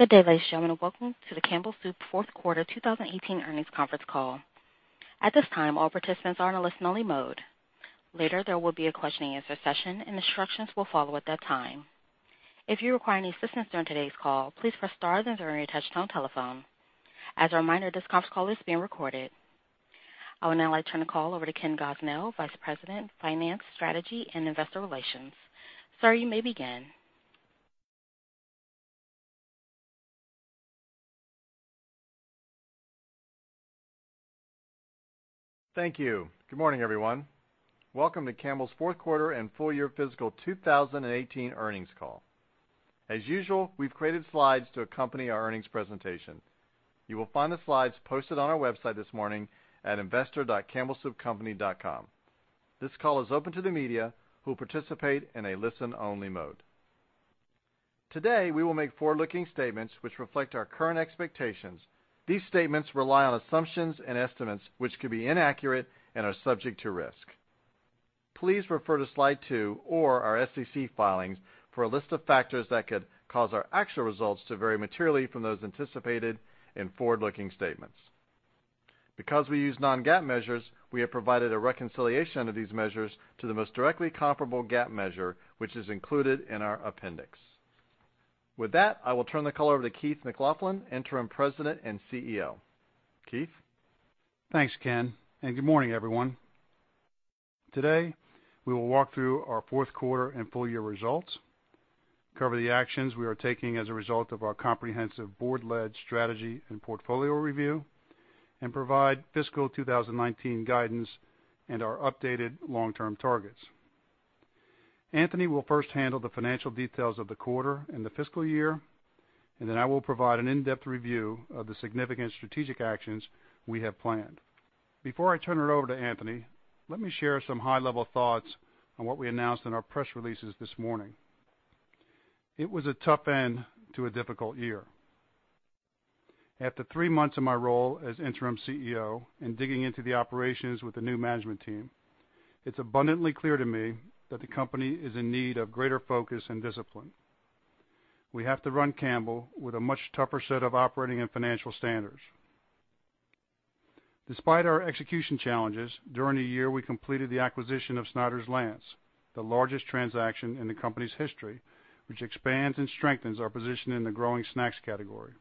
Good day, ladies and gentlemen. Welcome to the Campbell Soup fourth quarter 2018 earnings conference call. At this time, all participants are in a listen-only mode. Later, there will be a question-and-answer session, and instructions will follow at that time. If you require any assistance during today's call, please press star zero on your touch-tone telephone. As a reminder, this conference call is being recorded. I would now like to turn the call over to Ken Gosnell, Vice President of Finance, Strategy, and Investor Relations. Sir, you may begin. Thank you. Good morning, everyone. Welcome to Campbell's fourth quarter and full year fiscal 2018 earnings call. As usual, we've created slides to accompany our earnings presentation. You will find the slides posted on our website this morning at investor.campbellsoupcompany.com. This call is open to the media, who will participate in a listen-only mode. Today, we will make forward-looking statements which reflect our current expectations. These statements rely on assumptions and estimates which could be inaccurate and are subject to risk. Please refer to Slide two or our SEC filings for a list of factors that could cause our actual results to vary materially from those anticipated in forward-looking statements. Because we use non-GAAP measures, we have provided a reconciliation of these measures to the most directly comparable GAAP measure, which is included in our appendix. With that, I will turn the call over to Keith McLoughlin, Interim President and CEO. Keith? Thanks, Ken, and good morning, everyone. Today, we will walk through our fourth quarter and full-year results, cover the actions we are taking as a result of our comprehensive board-led strategy and portfolio review, and provide fiscal 2019 guidance and our updated long-term targets. Anthony will first handle the financial details of the quarter and the fiscal year. I will provide an in-depth review of the significant strategic actions we have planned. Before I turn it over to Anthony, let me share some high-level thoughts on what we announced in our press releases this morning. It was a tough end to a difficult year. After three months in my role as Interim CEO and digging into the operations with the new management team, it's abundantly clear to me that the company is in need of greater focus and discipline. We have to run Campbell with a much tougher set of operating and financial standards. Despite our execution challenges, during the year, we completed the acquisition of Snyder's-Lance, the largest transaction in the company's history, which expands and strengthens our position in the growing snacks category.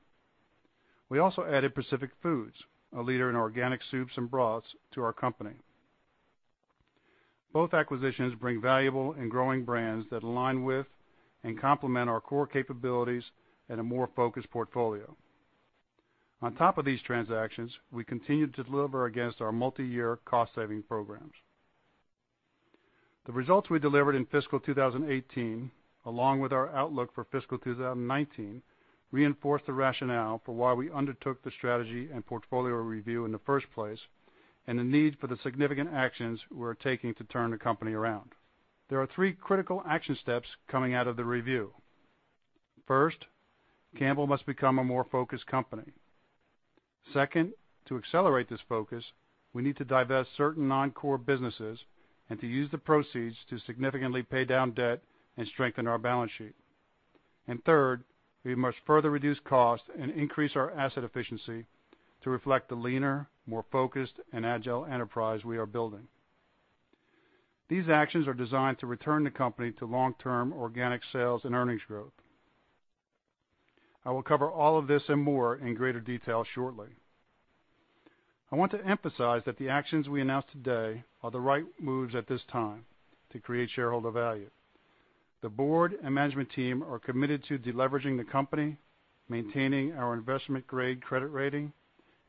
We also added Pacific Foods, a leader in organic soups and broths, to our company. Both acquisitions bring valuable and growing brands that align with and complement our core capabilities in a more focused portfolio. On top of these transactions, we continued to deliver against our multi-year cost-saving programs. The results we delivered in fiscal 2018, along with our outlook for fiscal 2019, reinforce the rationale for why we undertook the strategy and portfolio review in the first place and the need for the significant actions we're taking to turn the company around. There are three critical action steps coming out of the review. First, Campbell must become a more focused company. Second, to accelerate this focus, we need to divest certain non-core businesses and to use the proceeds to significantly pay down debt and strengthen our balance sheet. Third, we must further reduce costs and increase our asset efficiency to reflect the leaner, more focused, and agile enterprise we are building. These actions are designed to return the company to long-term organic sales and earnings growth. I will cover all of this and more in greater detail shortly. I want to emphasize that the actions we announce today are the right moves at this time to create shareholder value. The board and management team are committed to de-leveraging the company, maintaining our investment-grade credit rating,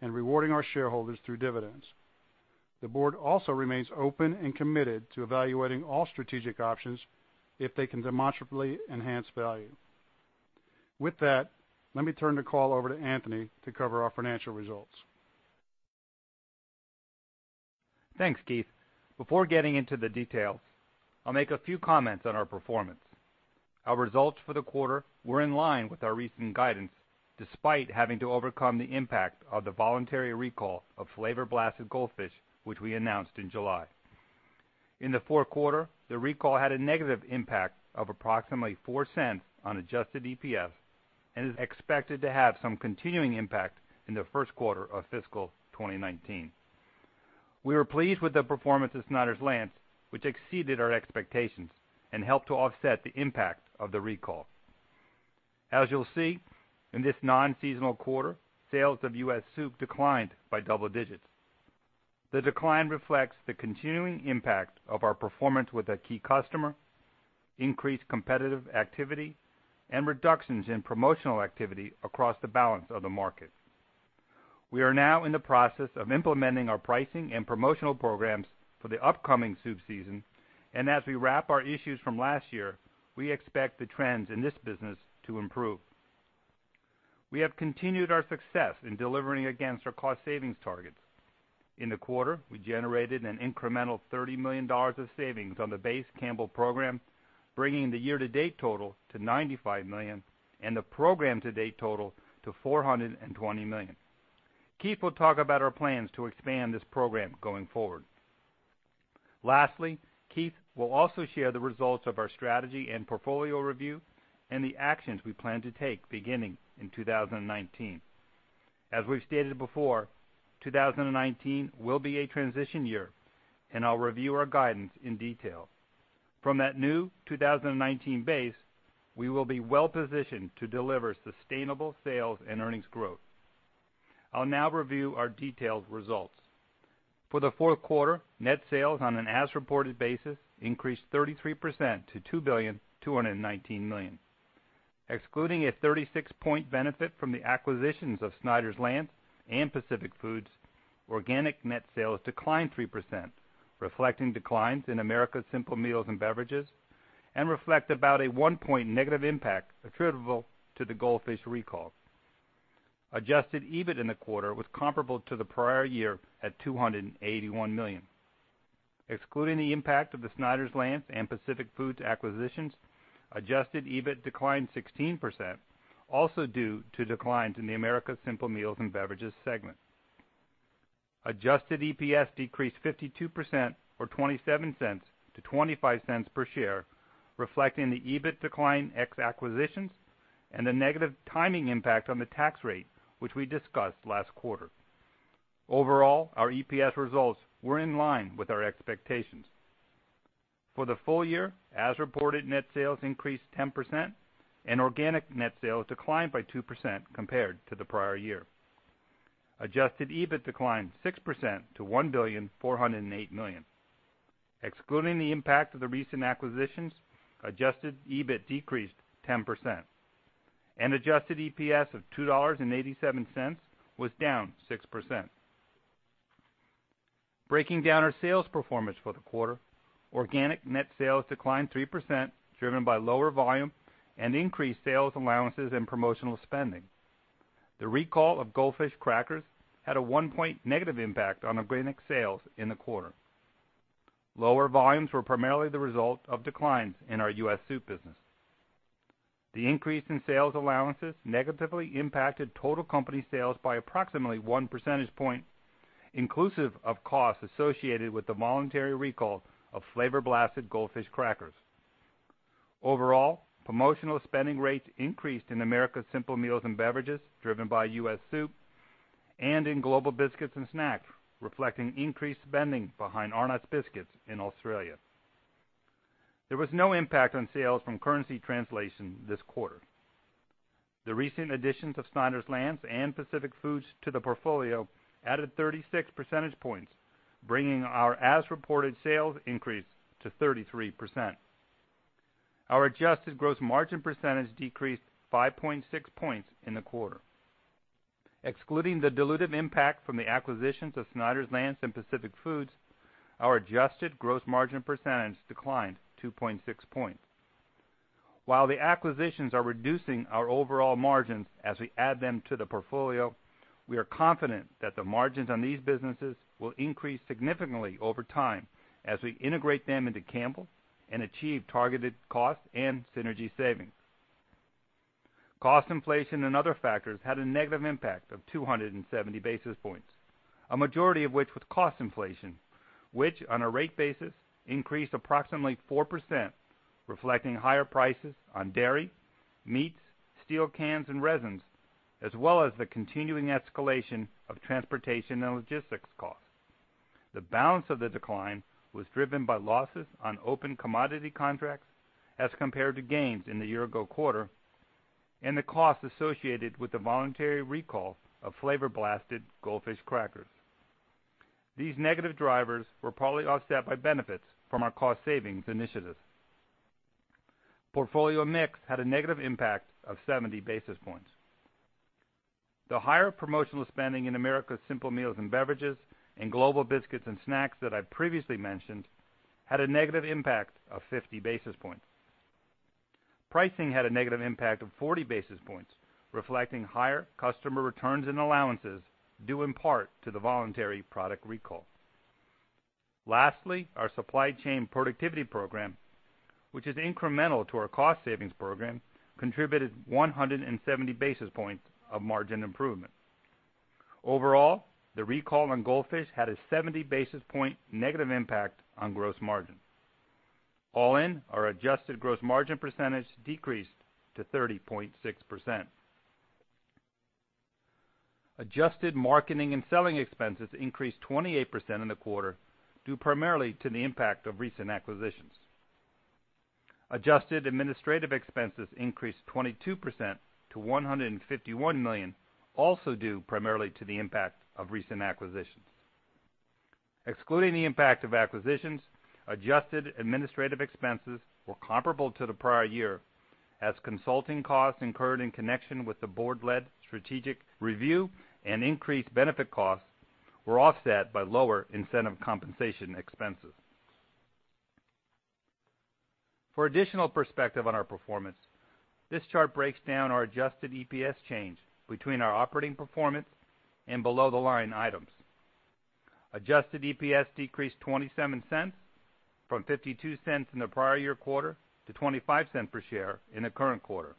and rewarding our shareholders through dividends. The board also remains open and committed to evaluating all strategic options if they can demonstrably enhance value. With that, let me turn the call over to Anthony to cover our financial results. Thanks, Keith. Before getting into the details, I'll make a few comments on our performance. Our results for the quarter were in line with our recent guidance, despite having to overcome the impact of the voluntary recall of Flavor Blasted Goldfish, which we announced in July. In the fourth quarter, the recall had a negative impact of approximately $0.04 on adjusted EPS and is expected to have some continuing impact in the first quarter of fiscal 2019. We were pleased with the performance of Snyder's-Lance, which exceeded our expectations and helped to offset the impact of the recall. As you'll see, in this non-seasonal quarter, sales of U.S. soup declined by double digits. The decline reflects the continuing impact of our performance with a key customer, increased competitive activity, and reductions in promotional activity across the balance of the market. We are now in the process of implementing our pricing and promotional programs for the upcoming soup season. As we wrap our issues from last year, we expect the trends in this business to improve. We have continued our success in delivering against our cost savings targets. In the quarter, we generated an incremental $30 million of savings on the base Campbell program, bringing the year-to-date total to $95 million and the program-to-date total to $420 million. Keith will talk about our plans to expand this program going forward. Lastly, Keith will also share the results of our strategy and portfolio review and the actions we plan to take beginning in 2019. As we've stated before, 2019 will be a transition year. I'll review our guidance in detail. From that new 2019 base, we will be well-positioned to deliver sustainable sales and earnings growth. I'll now review our detailed results. For the fourth quarter, net sales on an as reported basis increased 33% to $2.219 billion. Excluding a 36-point benefit from the acquisitions of Snyder's-Lance and Pacific Foods, organic net sales declined 3%, reflecting declines in Americas Simple Meals & Beverages, and reflect about a 1-point negative impact attributable to the Goldfish recall. Adjusted EBIT in the quarter was comparable to the prior year at $281 million. Excluding the impact of the Snyder's-Lance and Pacific Foods acquisitions, adjusted EBIT declined 16%, also due to declines in the Americas Simple Meals & Beverages segment. Adjusted EPS decreased 52%, or $0.27 to $0.25 per share, reflecting the EBIT decline ex acquisitions and the negative timing impact on the tax rate, which we discussed last quarter. Overall, our EPS results were in line with our expectations. For the full year, as reported net sales increased 10%. Organic net sales declined by 2% compared to the prior year. Adjusted EBIT declined 6% to $1.408 billion. Excluding the impact of the recent acquisitions, adjusted EBIT decreased 10%. Adjusted EPS of $2.87 was down 6%. Breaking down our sales performance for the quarter, organic net sales declined 3%, driven by lower volume and increased sales allowances and promotional spending. The recall of Goldfish crackers had a 1-point negative impact on organic sales in the quarter. Lower volumes were primarily the result of declines in our U.S. soup business. The increase in sales allowances negatively impacted total company sales by approximately 1 percentage point, inclusive of costs associated with the voluntary recall of Flavor Blasted Goldfish crackers. Overall, promotional spending rates increased in Americas Simple Meals & Beverages, driven by U.S. soup. In Global Biscuits and Snacks, reflecting increased spending behind Arnott's biscuits in Australia, there was no impact on sales from currency translation this quarter. The recent additions of Snyder's-Lance and Pacific Foods to the portfolio added 36 percentage points, bringing our as-reported sales increase to 33%. Our adjusted gross margin percentage decreased 5.6 points in the quarter. Excluding the dilutive impact from the acquisitions of Snyder's-Lance and Pacific Foods, our adjusted gross margin percentage declined 2.6 points. While the acquisitions are reducing our overall margins as we add them to the portfolio, we are confident that the margins on these businesses will increase significantly over time as we integrate them into Campbell and achieve targeted cost and synergy savings. Cost inflation and other factors had a negative impact of 270 basis points, a majority of which was cost inflation, which on a rate basis increased approximately 4%, reflecting higher prices on dairy, meats, steel cans and resins, as well as the continuing escalation of transportation and logistics costs. The balance of the decline was driven by losses on open commodity contracts as compared to gains in the year-ago quarter, and the cost associated with the voluntary recall of Flavor Blasted Goldfish crackers. These negative drivers were partly offset by benefits from our cost savings initiatives. Portfolio mix had a negative impact of 70 basis points. The higher promotional spending in Americas Simple Meals & Beverages and Global Biscuits and Snacks that I previously mentioned had a negative impact of 50 basis points. Pricing had a negative impact of 40 basis points, reflecting higher customer returns and allowances due in part to the voluntary product recall. Lastly, our supply chain productivity program, which is incremental to our cost savings program, contributed 170 basis points of margin improvement. Overall, the recall on Goldfish had a 70 basis point negative impact on gross margin. All in, our adjusted gross margin percentage decreased to 30.6%. Adjusted marketing and selling expenses increased 28% in the quarter due primarily to the impact of recent acquisitions. Adjusted administrative expenses increased 22% to $151 million, also due primarily to the impact of recent acquisitions. Excluding the impact of acquisitions, adjusted administrative expenses were comparable to the prior year as consulting costs incurred in connection with the board-led strategic review and increased benefit costs were offset by lower incentive compensation expenses. For additional perspective on our performance, this chart breaks down our adjusted EPS change between our operating performance and below the line items. Adjusted EPS decreased $0.27 from $0.52 in the prior year quarter to $0.25 per share in the current quarter.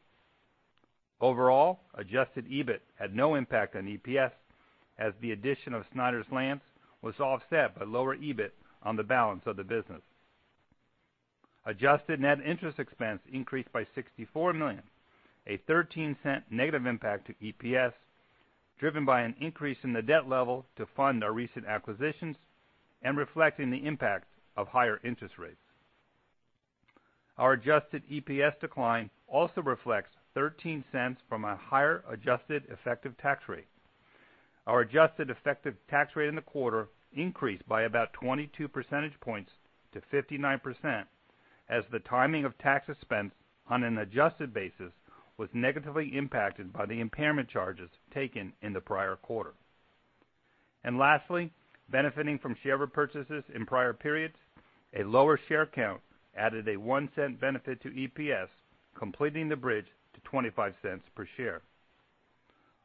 Overall, adjusted EBIT had no impact on EPS as the addition of Snyder's-Lance was offset by lower EBIT on the balance of the business. Adjusted net interest expense increased by $64 million, a $0.13 negative impact to EPS, driven by an increase in the debt level to fund our recent acquisitions and reflecting the impact of higher interest rates. Our adjusted EPS decline also reflects $0.13 from a higher adjusted effective tax rate. Our adjusted effective tax rate in the quarter increased by about 22 percentage points to 59%, as the timing of tax expense on an adjusted basis was negatively impacted by the impairment charges taken in the prior quarter. Lastly, benefiting from share repurchases in prior periods, a lower share count added a $0.01 benefit to EPS, completing the bridge to $0.25 per share.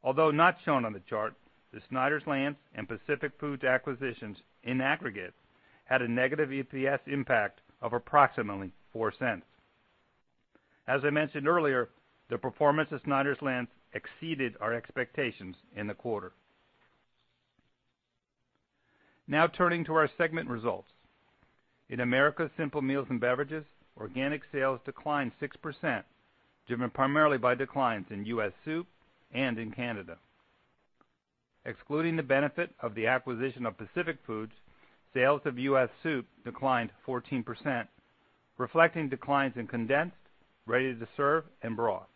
Although not shown on the chart, the Snyder's-Lance and Pacific Foods acquisitions in aggregate had a negative EPS impact of approximately $0.04. As I mentioned earlier, the performance of Snyder's-Lance exceeded our expectations in the quarter. Now turning to our segment results. In Americas Simple Meals & Beverages, organic sales declined 6%, driven primarily by declines in U.S. soup and in Canada. Excluding the benefit of the acquisition of Pacific Foods, sales of U.S. soup declined 14%, reflecting declines in condensed, ready-to-serve, and broth.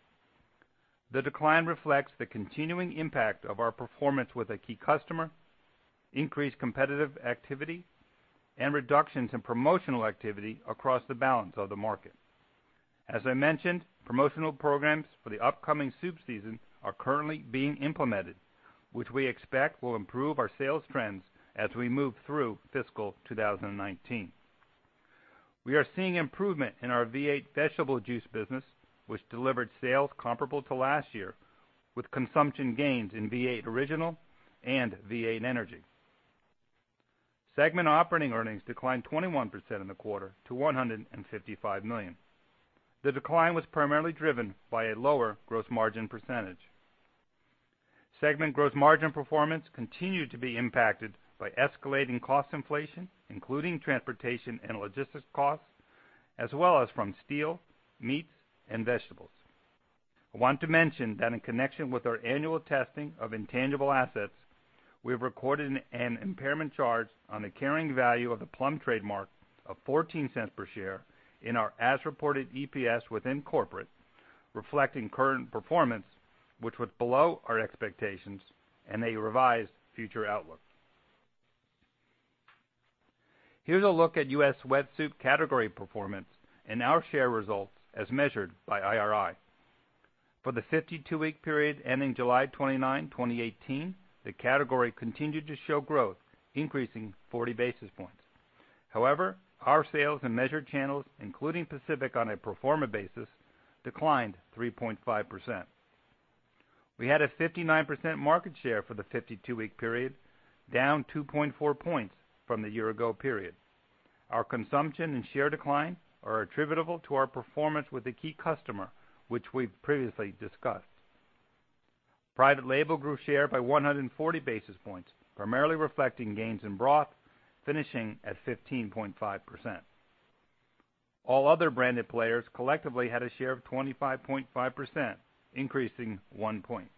The decline reflects the continuing impact of our performance with a key customer, increased competitive activity, and reductions in promotional activity across the balance of the market. As I mentioned, promotional programs for the upcoming soup season are currently being implemented, which we expect will improve our sales trends as we move through fiscal 2019. We are seeing improvement in our V8 Vegetable Juice business, which delivered sales comparable to last year, with consumption gains in V8 Original and V8 ENERGY. Segment operating earnings declined 21% in the quarter to $155 million. The decline was primarily driven by a lower gross margin percentage. Segment gross margin performance continued to be impacted by escalating cost inflation, including transportation and logistics costs, as well as from steel, meats, and vegetables. I want to mention that in connection with our annual testing of intangible assets, we have recorded an impairment charge on the carrying value of the Plum trademark of $0.14 per share in our as-reported EPS within corporate, reflecting current performance, which was below our expectations and a revised future outlook. Here's a look at U.S. wet soup category performance and our share results as measured by IRI. For the 52-week period ending July 29, 2018, the category continued to show growth, increasing 40 basis points. However, our sales in measured channels, including Pacific on a pro forma basis, declined 3.5%. We had a 59% market share for the 52-week period, down 2.4 points from the year ago period. Our consumption and share decline are attributable to our performance with a key customer, which we've previously discussed. Private label grew share by 140 basis points, primarily reflecting gains in broth, finishing at 15.5%. All other branded players collectively had a share of 25.5%, increasing one point.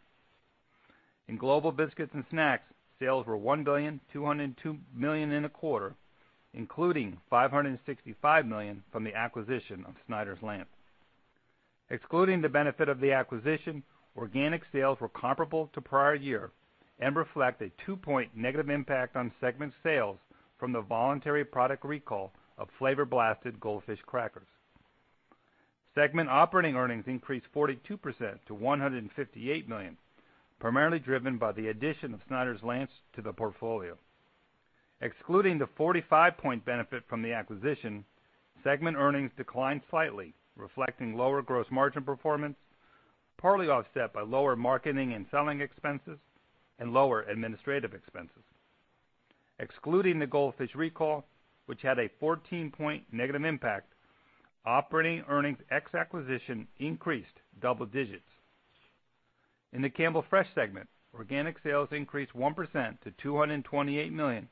In Global Biscuits and Snacks, sales were $1.202 billion in the quarter, including $565 million from the acquisition of Snyder's-Lance. Excluding the benefit of the acquisition, organic sales were comparable to prior year and reflect a two-point negative impact on segment sales from the voluntary product recall of Flavor Blasted Goldfish crackers. Segment operating earnings increased 42% to $158 million, primarily driven by the addition of Snyder's-Lance to the portfolio. Excluding the 45-point benefit from the acquisition, segment earnings declined slightly, reflecting lower gross margin performance, partly offset by lower marketing and selling expenses and lower administrative expenses. Excluding the Goldfish recall, which had a 14-point negative impact, operating earnings ex acquisition increased double digits. In the Campbell Fresh segment, organic sales increased 1% to $228 million,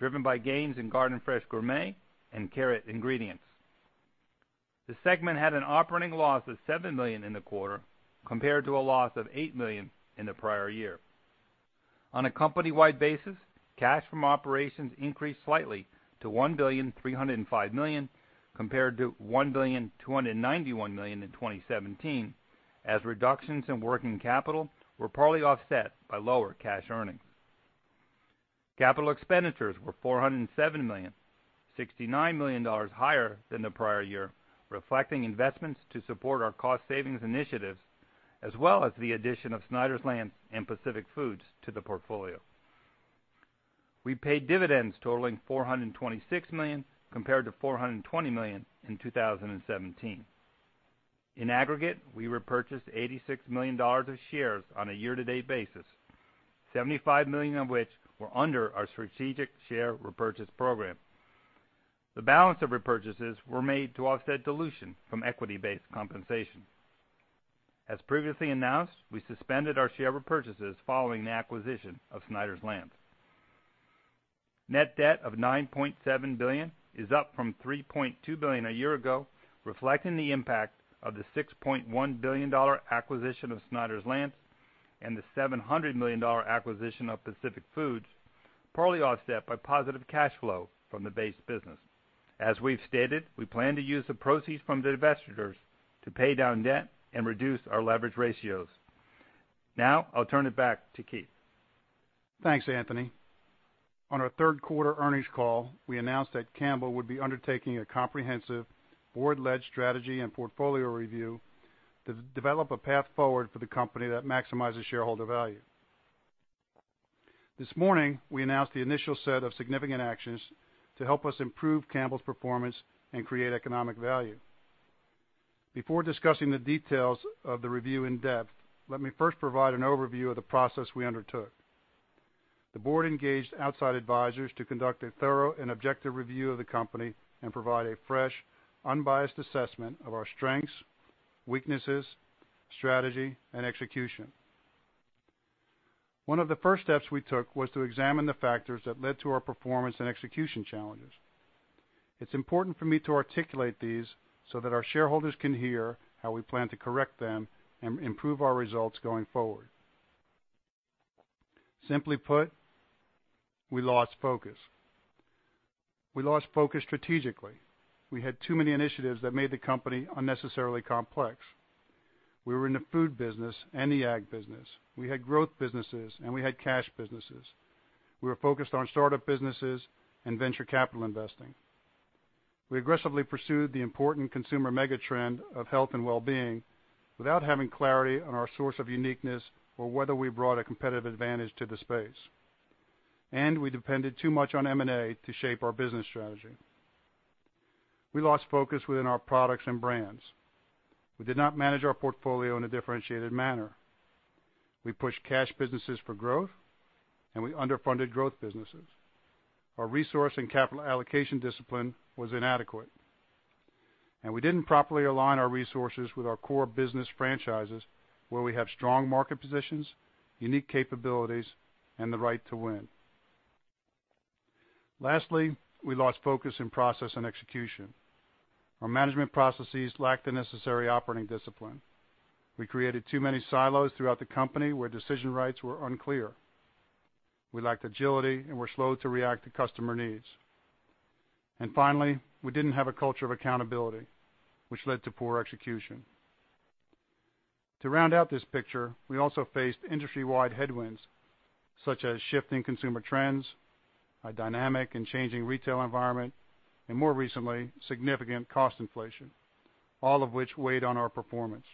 driven by gains in Garden Fresh Gourmet and Carrot Ingredients. The segment had an operating loss of $7 million in the quarter, compared to a loss of $8 million in the prior year. On a company-wide basis, cash from operations increased slightly to $1.305 billion, compared to $1.291 billion in 2017, as reductions in working capital were partly offset by lower cash earnings. Capital expenditures were $407 million, $69 million higher than the prior year, reflecting investments to support our cost savings initiatives, as well as the addition of Snyder's-Lance and Pacific Foods to the portfolio. We paid dividends totaling $426 million, compared to $420 million in 2017. In aggregate, we repurchased $86 million of shares on a year-to-date basis, $75 million of which were under our strategic share repurchase program. The balance of repurchases were made to offset dilution from equity-based compensation. As previously announced, we suspended our share repurchases following the acquisition of Snyder's-Lance. Net debt of $9.7 billion is up from $3.2 billion a year ago, reflecting the impact of the $6.1 billion acquisition of Snyder's-Lance and the $700 million acquisition of Pacific Foods, partly offset by positive cash flow from the base business. As we've stated, we plan to use the proceeds from the divestitures to pay down debt and reduce our leverage ratios. Now, I'll turn it back to Keith. Thanks, Anthony. On our third quarter earnings call, we announced that Campbell would be undertaking a comprehensive board-led strategy and portfolio review to develop a path forward for the company that maximizes shareholder value. This morning, we announced the initial set of significant actions to help us improve Campbell's performance and create economic value. Before discussing the details of the review in depth, let me first provide an overview of the process we undertook. The board engaged outside advisors to conduct a thorough and objective review of the company and provide a fresh, unbiased assessment of our strengths, weaknesses, strategy, and execution. One of the first steps we took was to examine the factors that led to our performance and execution challenges. It's important for me to articulate these so that our shareholders can hear how we plan to correct them and improve our results going forward. Simply put, we lost focus. We lost focus strategically. We had too many initiatives that made the company unnecessarily complex. We were in the food business and the ag business. We had growth businesses, and we had cash businesses. We were focused on startup businesses and venture capital investing. We aggressively pursued the important consumer mega-trend of health and well-being without having clarity on our source of uniqueness or whether we brought a competitive advantage to the space. We depended too much on M&A to shape our business strategy. We lost focus within our products and brands. We did not manage our portfolio in a differentiated manner. We pushed cash businesses for growth, we underfunded growth businesses. Our resource and capital allocation discipline was inadequate, we didn't properly align our resources with our core business franchises, where we have strong market positions, unique capabilities, and the right to win. Lastly, we lost focus in process and execution. Our management processes lacked the necessary operating discipline. We created too many silos throughout the company where decision rights were unclear. We lacked agility and were slow to react to customer needs. Finally, we didn't have a culture of accountability, which led to poor execution. To round out this picture, we also faced industry-wide headwinds, such as shifting consumer trends, a dynamic and changing retail environment, and more recently, significant cost inflation, all of which weighed on our performance.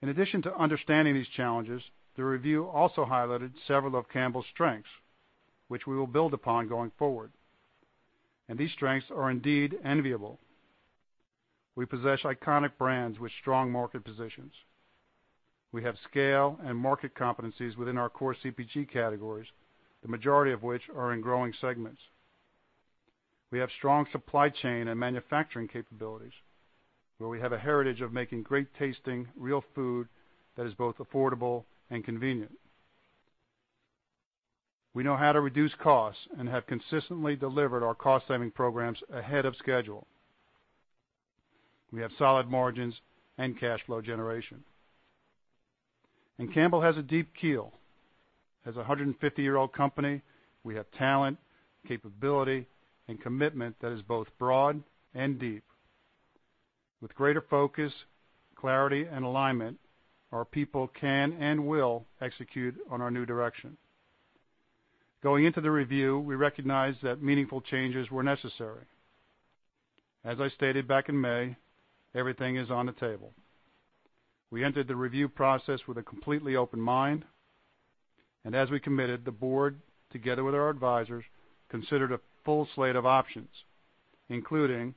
In addition to understanding these challenges, the review also highlighted several of Campbell's strengths, which we will build upon going forward. These strengths are indeed enviable. We possess iconic brands with strong market positions. We have scale and market competencies within our core CPG categories, the majority of which are in growing segments. We have strong supply chain and manufacturing capabilities, where we have a heritage of making great-tasting, real food that is both affordable and convenient. We know how to reduce costs and have consistently delivered our cost-saving programs ahead of schedule. We have solid margins and cash flow generation. Campbell has a deep keel. As a 150-year-old company, we have talent, capability, and commitment that is both broad and deep. With greater focus, clarity, and alignment, our people can and will execute on our new direction. Going into the review, we recognized that meaningful changes were necessary. As I stated back in May, everything is on the table. We entered the review process with a completely open mind, and as we committed, the board, together with our advisors, considered a full slate of options, including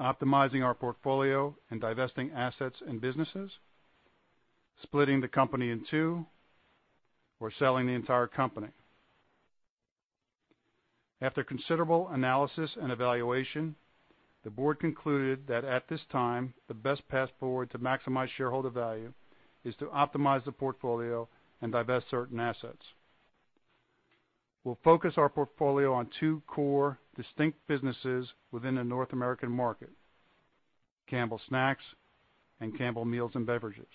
optimizing our portfolio and divesting assets and businesses, splitting the company in two, or selling the entire company. After considerable analysis and evaluation, the board concluded that, at this time, the best path forward to maximize shareholder value is to optimize the portfolio and divest certain assets. We will focus our portfolio on two core distinct businesses within the North American market, Campbell Snacks and Campbell's Meals & Beverages,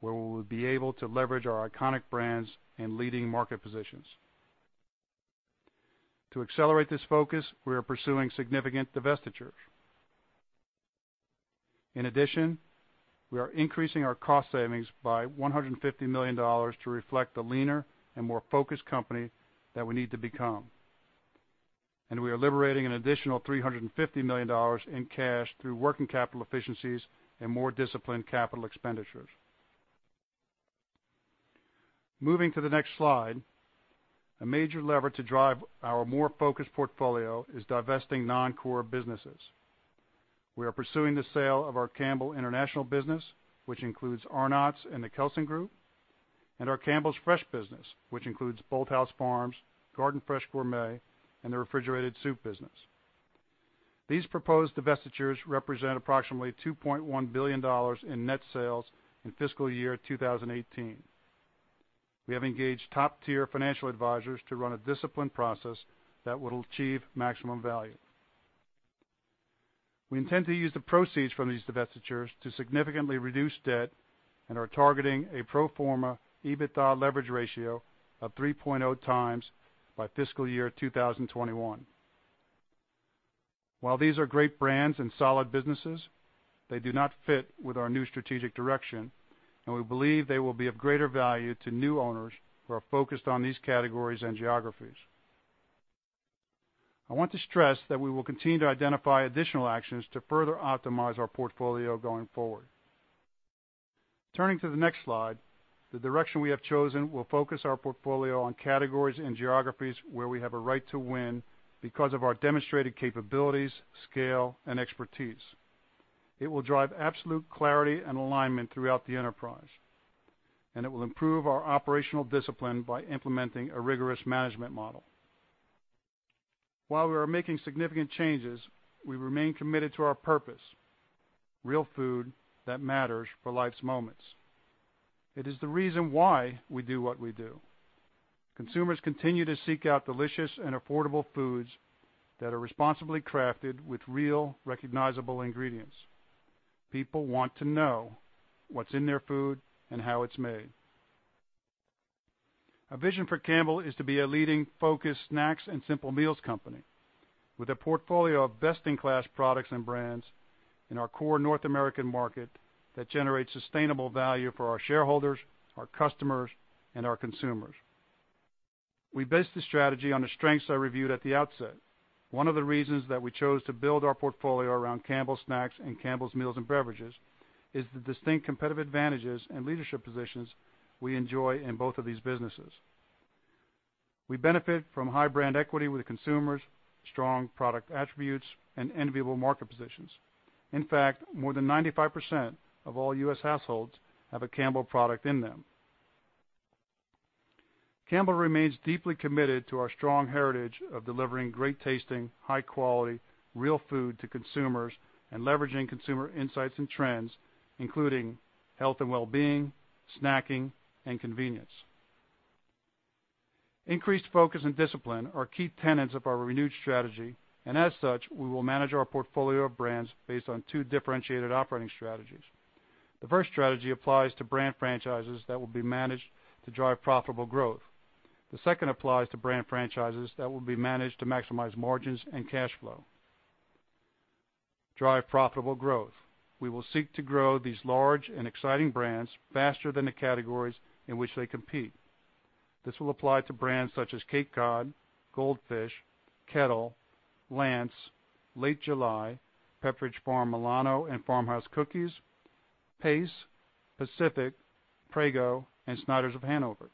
where we will be able to leverage our iconic brands and leading market positions. To accelerate this focus, we are pursuing significant divestitures. In addition, we are increasing our cost savings by $150 million to reflect the leaner and more focused company that we need to become. We are liberating an additional $350 million in cash through working capital efficiencies and more disciplined capital expenditures. Moving to the next slide, a major lever to drive our more focused portfolio is divesting non-core businesses. We are pursuing the sale of our Campbell International business, which includes Arnott's and the Kelsen Group, and our Campbell Fresh business, which includes Bolthouse Farms, Garden Fresh Gourmet, and the refrigerated soup business. These proposed divestitures represent approximately $2.1 billion in net sales in fiscal year 2018. We have engaged top-tier financial advisors to run a disciplined process that will achieve maximum value. We intend to use the proceeds from these divestitures to significantly reduce debt and are targeting a pro forma EBITDA leverage ratio of 3.0 times by fiscal year 2021. While these are great brands and solid businesses, they do not fit with our new strategic direction, and we believe they will be of greater value to new owners who are focused on these categories and geographies. I want to stress that we will continue to identify additional actions to further optimize our portfolio going forward. Turning to the next slide, the direction we have chosen will focus our portfolio on categories and geographies where we have a right to win because of our demonstrated capabilities, scale, and expertise. It will drive absolute clarity and alignment throughout the enterprise, and it will improve our operational discipline by implementing a rigorous management model. While we are making significant changes, we remain committed to our purpose, Real Food that Matters for Life's Moments. It is the reason why we do what we do. Consumers continue to seek out delicious and affordable foods that are responsibly crafted with real recognizable ingredients. People want to know what's in their food and how it's made. Our vision for Campbell is to be a leading focused snacks and simple meals company with a portfolio of best-in-class products and brands in our core North American market that generates sustainable value for our shareholders, our customers, and our consumers. We base this strategy on the strengths I reviewed at the outset. One of the reasons that we chose to build our portfolio around Campbell Snacks and Campbell's Meals & Beverages is the distinct competitive advantages and leadership positions we enjoy in both of these businesses. We benefit from high brand equity with consumers, strong product attributes, and enviable market positions. In fact, more than 95% of all U.S. households have a Campbell product in them. Campbell remains deeply committed to our strong heritage of delivering great-tasting, high-quality real food to consumers and leveraging consumer insights and trends, including health and wellbeing, snacking, and convenience. Increased focus and discipline are key tenets of our renewed strategy. As such, we will manage our portfolio of brands based on two differentiated operating strategies. The first strategy applies to brand franchises that will be managed to drive profitable growth. The second applies to brand franchises that will be managed to maximize margins and cash flow. Drive profitable growth. We will seek to grow these large and exciting brands faster than the categories in which they compete. This will apply to brands such as Cape Cod, Goldfish, Kettle, Lance, Late July, Pepperidge Farm Milano and Farmhouse Cookies, Pace, Pacific, Prego, and Snyder's of Hanover.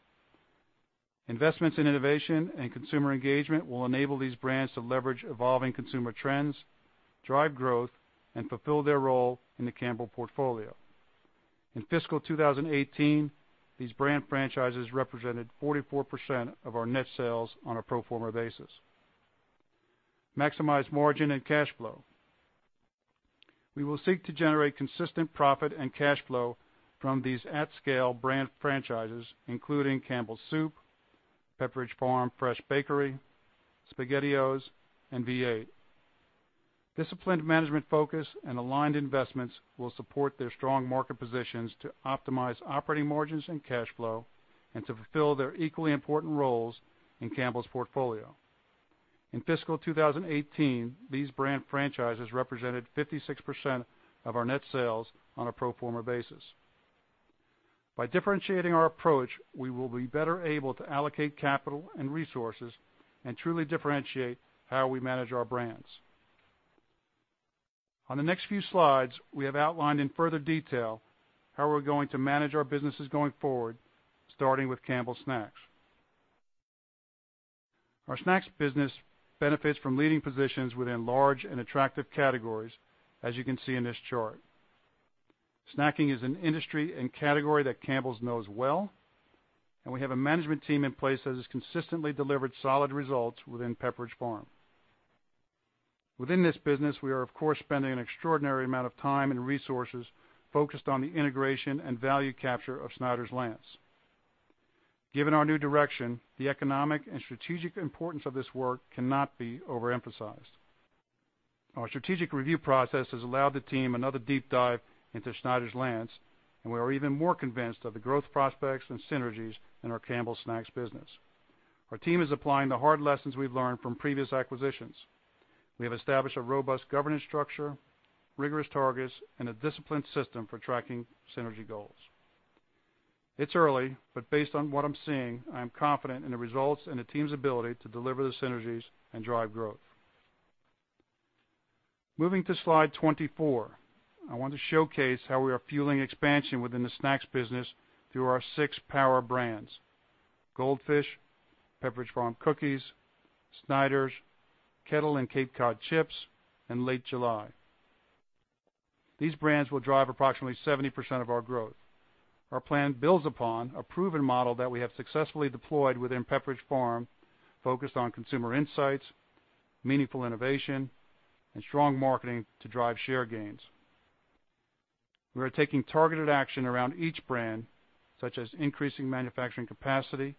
Investments in innovation and consumer engagement will enable these brands to leverage evolving consumer trends, drive growth, and fulfill their role in the Campbell's portfolio. In fiscal 2018, these brand franchises represented 44% of our net sales on a pro forma basis. Maximize margin and cash flow. We will seek to generate consistent profit and cash flow from these at-scale brand franchises, including Campbell's Soup, Pepperidge Farm Fresh Bakery, SpaghettiOs, and V8. Disciplined management focus and aligned investments will support their strong market positions to optimize operating margins and cash flow and to fulfill their equally important roles in Campbell's portfolio. In fiscal 2018, these brand franchises represented 56% of our net sales on a pro forma basis. By differentiating our approach, we will be better able to allocate capital and resources and truly differentiate how we manage our brands. On the next few slides, we have outlined in further detail how we're going to manage our businesses going forward, starting with Campbell Snacks. Our snacks business benefits from leading positions within large and attractive categories, as you can see in this chart. Snacking is an industry and category that Campbell's knows well. We have a management team in place that has consistently delivered solid results within Pepperidge Farm. Within this business, we are of course spending an extraordinary amount of time and resources focused on the integration and value capture of Snyder's-Lance. Given our new direction, the economic and strategic importance of this work cannot be overemphasized. Our strategic review process has allowed the team another deep dive into Snyder's-Lance, and we are even more convinced of the growth prospects and synergies in our Campbell Snacks business. Our team is applying the hard lessons we have learned from previous acquisitions. We have established a robust governance structure, rigorous targets, and a disciplined system for tracking synergy goals. It is early, but based on what I am seeing, I am confident in the results and the team's ability to deliver the synergies and drive growth. Moving to slide 24, I want to showcase how we are fueling expansion within the snacks business through our six power brands. Goldfish, Pepperidge Farm Cookies, Snyder's, Kettle and Cape Cod chips, and Late July. These brands will drive approximately 70% of our growth. Our plan builds upon a proven model that we have successfully deployed within Pepperidge Farm, focused on consumer insights, meaningful innovation, and strong marketing to drive share gains. We are taking targeted action around each brand, such as increasing manufacturing capacity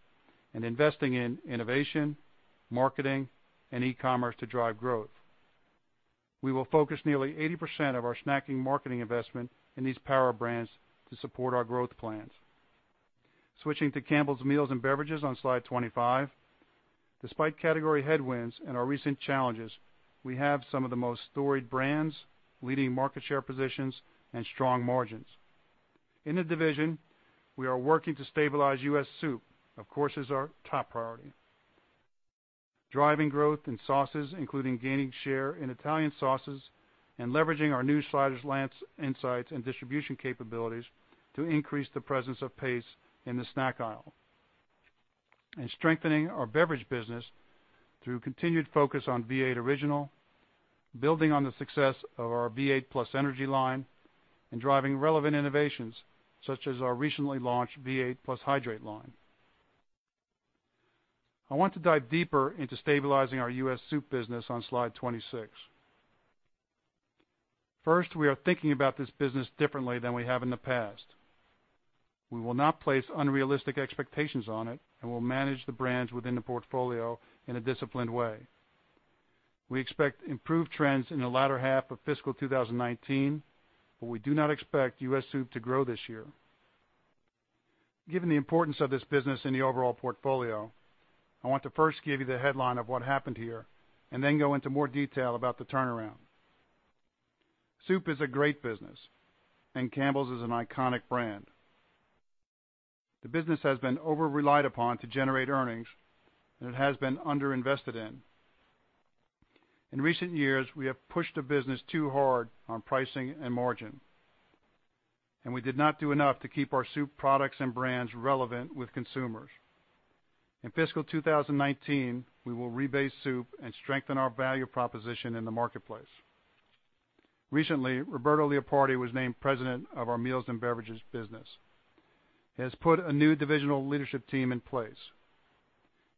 and investing in innovation, marketing, and e-commerce to drive growth. We will focus nearly 80% of our snacking marketing investment in these power brands to support our growth plans. Switching to Campbell's Meals & Beverages on slide 25. Despite category headwinds and our recent challenges, we have some of the most storied brands, leading market share positions, and strong margins. In the division, we are working to stabilize U.S. soup, of course, as our top priority. Driving growth in sauces, including gaining share in Italian sauces, and leveraging our new Snyder's-Lance insights and distribution capabilities to increase the presence of Pace in the snack aisle. Strengthening our beverage business through continued focus on V8 Original, building on the success of our V8 +Energy line, and driving relevant innovations such as our recently launched V8 +Hydrate line. I want to dive deeper into stabilizing our U.S. soup business on slide 26. First, we are thinking about this business differently than we have in the past. We will not place unrealistic expectations on it and will manage the brands within the portfolio in a disciplined way. We expect improved trends in the latter half of fiscal 2019, but we do not expect U.S. soup to grow this year. Given the importance of this business in the overall portfolio, I want to first give you the headline of what happened here, and then go into more detail about the turnaround. Soup is a great business, and Campbell's is an iconic brand. The business has been over-relied upon to generate earnings, and it has been under-invested in. In recent years, we have pushed the business too hard on pricing and margin, and we did not do enough to keep our soup products and brands relevant with consumers. In fiscal 2019, we will rebase soup and strengthen our value proposition in the marketplace. Recently, Roberto Leopardi was named President of our Meals & Beverages business. He has put a new divisional leadership team in place.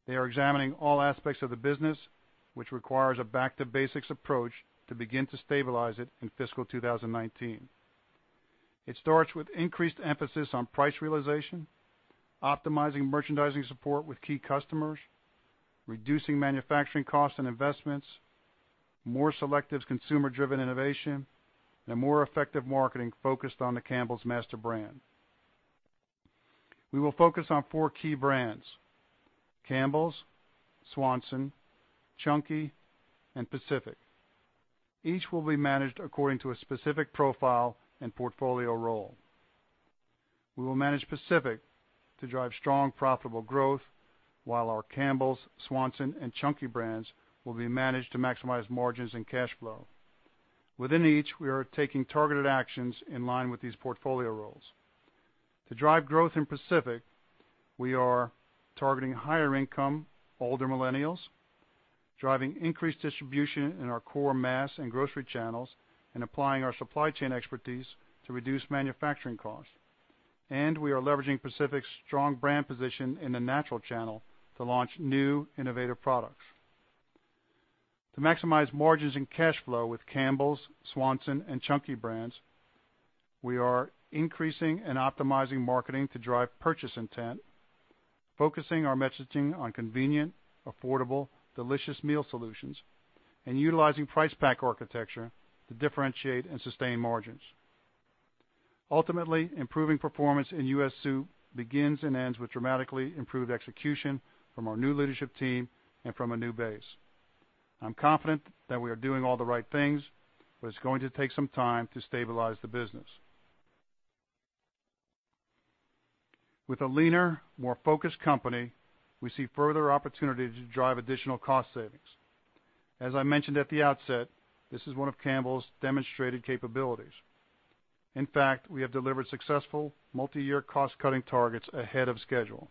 They are examining all aspects of the business, which requires a back-to-basics approach to begin to stabilize it in fiscal 2019. It starts with increased emphasis on price realization, optimizing merchandising support with key customers, reducing manufacturing costs and investments, more selective consumer-driven innovation, and a more effective marketing focused on the Campbell's master brand. We will focus on four key brands, Campbell's, Swanson, Chunky, and Pacific. Each will be managed according to a specific profile and portfolio role. We will manage Pacific to drive strong, profitable growth, while our Campbell's, Swanson, and Chunky brands will be managed to maximize margins and cash flow. Within each, we are taking targeted actions in line with these portfolio roles. To drive growth in Pacific, we are targeting higher income, older millennials, driving increased distribution in our core mass and grocery channels, and applying our supply chain expertise to reduce manufacturing costs. And we are leveraging Pacific's strong brand position in the natural channel to launch new, innovative products. To maximize margins and cash flow with Campbell's, Swanson, and Chunky brands, we are increasing and optimizing marketing to drive purchase intent, focusing our messaging on convenient, affordable, delicious meal solutions, and utilizing price pack architecture to differentiate and sustain margins. Ultimately, improving performance in U.S. soup begins and ends with dramatically improved execution from our new leadership team and from a new base. I'm confident that we are doing all the right things, but it's going to take some time to stabilize the business. With a leaner, more focused company, we see further opportunity to drive additional cost savings. As I mentioned at the outset, this is one of Campbell's demonstrated capabilities. In fact, we have delivered successful multi-year cost-cutting targets ahead of schedule.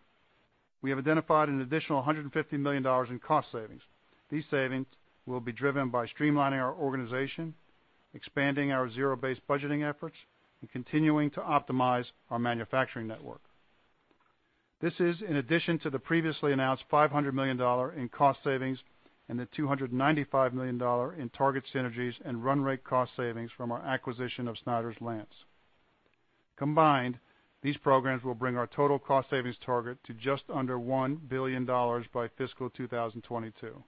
We have identified an additional $150 million in cost savings. These savings will be driven by streamlining our organization, expanding our zero-based budgeting efforts, and continuing to optimize our manufacturing network. This is in addition to the previously announced $500 million in cost savings and the $295 million in target synergies and run rate cost savings from our acquisition of Snyder's-Lance. Combined, these programs will bring our total cost savings target to just under $1 billion by fiscal 2022.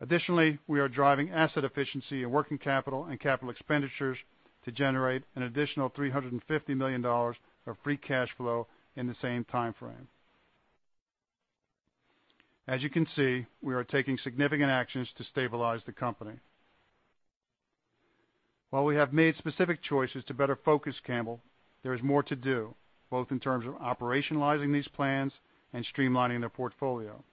Additionally, we are driving asset efficiency and working capital and capital expenditures to generate an additional $350 million of free cash flow in the same timeframe. As you can see, we are taking significant actions to stabilize the company. While we have made specific choices to better focus Campbell, there is more to do, both in terms of operationalizing these plans and streamlining the portfolio.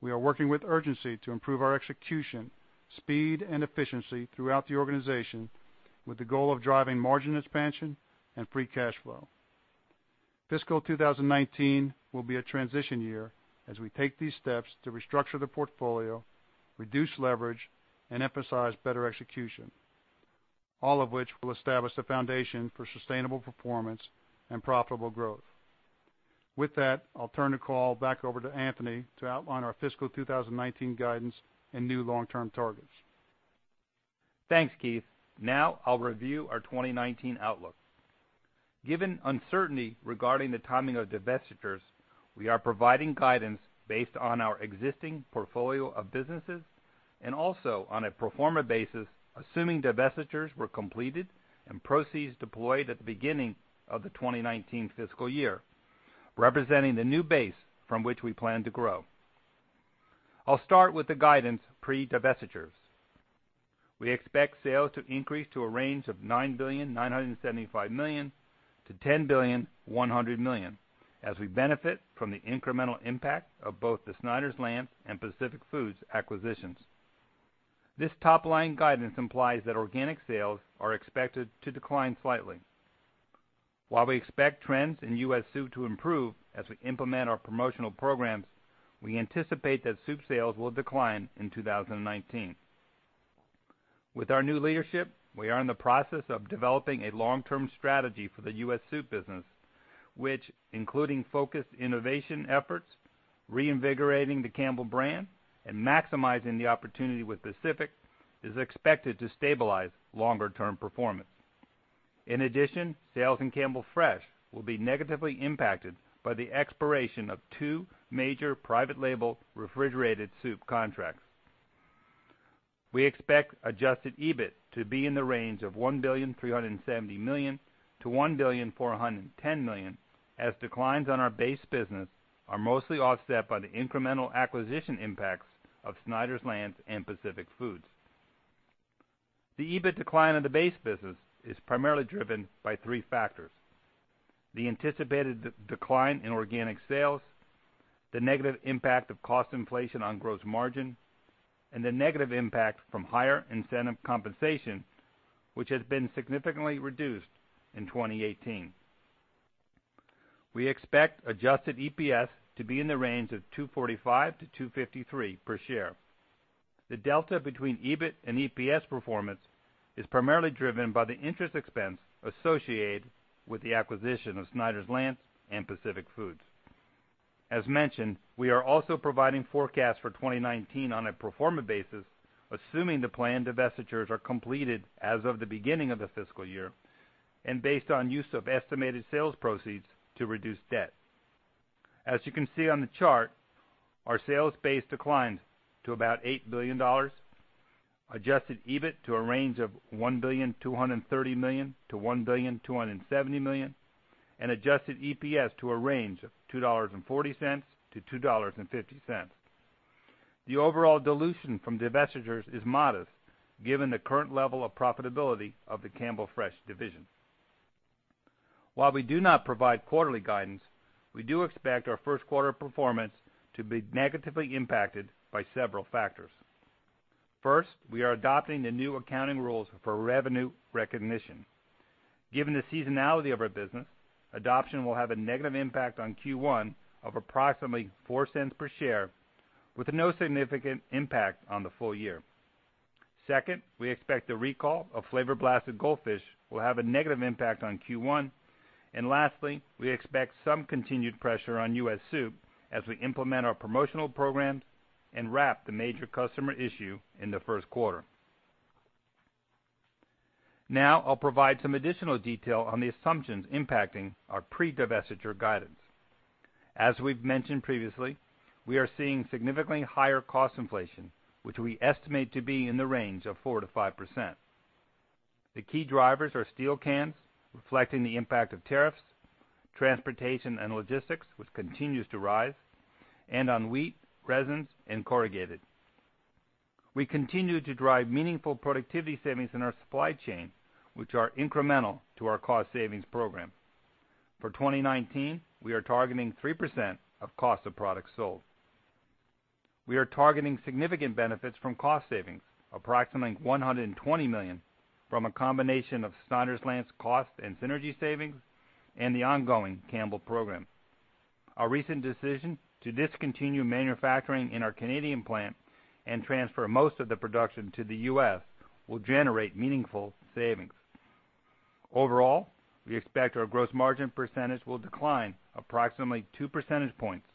We are working with urgency to improve our execution, speed, and efficiency throughout the organization with the goal of driving margin expansion and free cash flow. Fiscal 2019 will be a transition year as we take these steps to restructure the portfolio, reduce leverage, and emphasize better execution, all of which will establish the foundation for sustainable performance and profitable growth. With that, I'll turn the call back over to Anthony to outline our fiscal 2019 guidance and new long-term targets. Thanks, Keith. Now I'll review our 2019 outlook. Given uncertainty regarding the timing of divestitures, we are providing guidance based on our existing portfolio of businesses and also on a pro forma basis, assuming divestitures were completed and proceeds deployed at the beginning of the 2019 fiscal year, representing the new base from which we plan to grow. I'll start with the guidance pre-divestitures. We expect sales to increase to a range of $9.975 billion-$10.1 billion as we benefit from the incremental impact of both the Snyder's-Lance and Pacific Foods acquisitions. This top-line guidance implies that organic sales are expected to decline slightly. While we expect trends in U.S. soup to improve as we implement our promotional programs, we anticipate that soup sales will decline in 2019. With our new leadership, we are in the process of developing a long-term strategy for the U.S. soup business, which, including focused innovation efforts, reinvigorating the Campbell brand, and maximizing the opportunity with Pacific, is expected to stabilize longer-term performance. In addition, sales in Campbell Fresh will be negatively impacted by the expiration of two major private label refrigerated soup contracts. We expect adjusted EBIT to be in the range of $1.37 billion-$1.41 billion, as declines on our base business are mostly offset by the incremental acquisition impacts of Snyder's-Lance and Pacific Foods. The EBIT decline in the base business is primarily driven by three factors: the anticipated decline in organic sales, the negative impact of cost inflation on gross margin, and the negative impact from higher incentive compensation, which has been significantly reduced in 2018. We expect adjusted EPS to be in the range of $2.45-$2.53 per share. The delta between EBIT and EPS performance is primarily driven by the interest expense associated with the acquisition of Snyder's-Lance and Pacific Foods. As mentioned, we are also providing forecasts for 2019 on a pro forma basis, assuming the planned divestitures are completed as of the beginning of the fiscal year and based on use of estimated sales proceeds to reduce debt. As you can see on the chart, our sales base declines to about $8 billion, adjusted EBIT to a range of $1.23 billion-$1.27 billion, and adjusted EPS to a range of $2.40-$2.50. The overall dilution from divestitures is modest given the current level of profitability of the Campbell Fresh division. While we do not provide quarterly guidance, we do expect our first quarter performance to be negatively impacted by several factors. First, we are adopting the new accounting rules for revenue recognition. Given the seasonality of our business, adoption will have a negative impact on Q1 of approximately $0.04 per share, with no significant impact on the full year. Second, we expect the recall of Flavor Blasted Goldfish will have a negative impact on Q1. Lastly, we expect some continued pressure on U.S. soup as we implement our promotional programs and wrap the major customer issue in the first quarter. I'll provide some additional detail on the assumptions impacting our pre-divestiture guidance. As we've mentioned previously, we are seeing significantly higher cost inflation, which we estimate to be in the range of 4%-5%. The key drivers are steel cans, reflecting the impact of tariffs, transportation and logistics, which continues to rise, and on wheat, resins, and corrugated. We continue to drive meaningful productivity savings in our supply chain, which are incremental to our cost savings program. For 2019, we are targeting 3% of cost of products sold. We are targeting significant benefits from cost savings, approximately $120 million, from a combination of Snyder's-Lance cost and synergy savings and the ongoing Campbell program. Our recent decision to discontinue manufacturing in our Canadian plant and transfer most of the production to the U.S. will generate meaningful savings. Overall, we expect our gross margin percentage will decline approximately two percentage points,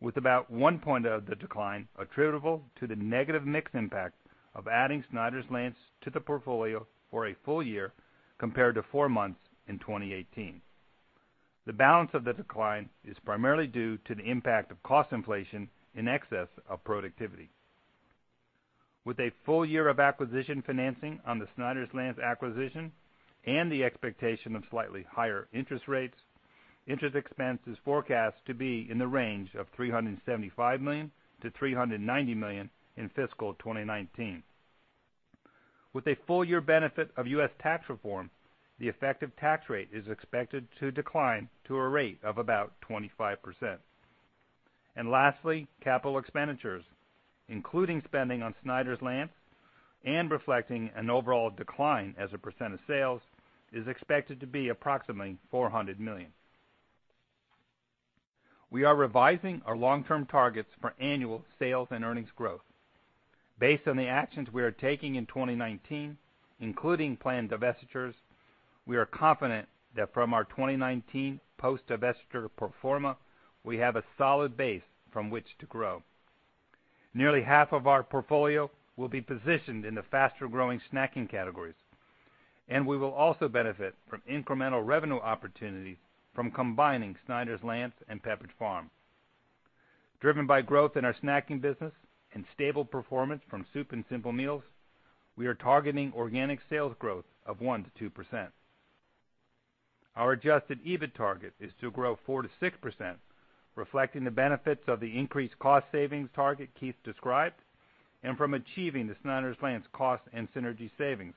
with about one point of the decline attributable to the negative mix impact of adding Snyder's-Lance to the portfolio for a full year compared to four months in 2018. The balance of the decline is primarily due to the impact of cost inflation in excess of productivity. With a full year of acquisition financing on the Snyder's-Lance acquisition and the expectation of slightly higher interest rates, interest expense is forecast to be in the range of $375 million-$390 million in fiscal 2019. With a full year benefit of U.S. tax reform, the effective tax rate is expected to decline to a rate of about 25%. Lastly, capital expenditures, including spending on Snyder's-Lance and reflecting an overall decline as a percent of sales, is expected to be approximately $400 million. We are revising our long-term targets for annual sales and earnings growth. Based on the actions we are taking in 2019, including planned divestitures, we are confident that from our 2019 post-divestiture pro forma, we have a solid base from which to grow. Nearly half of our portfolio will be positioned in the faster-growing snacking categories, and we will also benefit from incremental revenue opportunities from combining Snyder's-Lance and Pepperidge Farm. Driven by growth in our snacking business and stable performance from soup and simple meals, we are targeting organic sales growth of 1%-2%. Our adjusted EBIT target is to grow 4%-6%, reflecting the benefits of the increased cost savings target Keith described, and from achieving the Snyder's-Lance cost and synergy savings,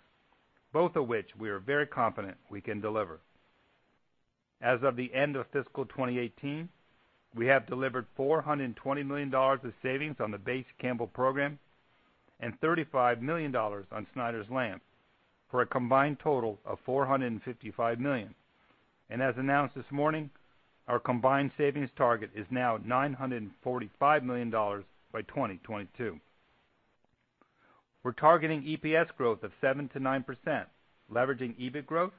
both of which we are very confident we can deliver. As of the end of fiscal 2018, we have delivered $420 million of savings on the base Campbell program and $35 million on Snyder's-Lance, for a combined total of $455 million. As announced this morning, our combined savings target is now $945 million by 2022. We're targeting EPS growth of 7%-9%, leveraging EBIT growth,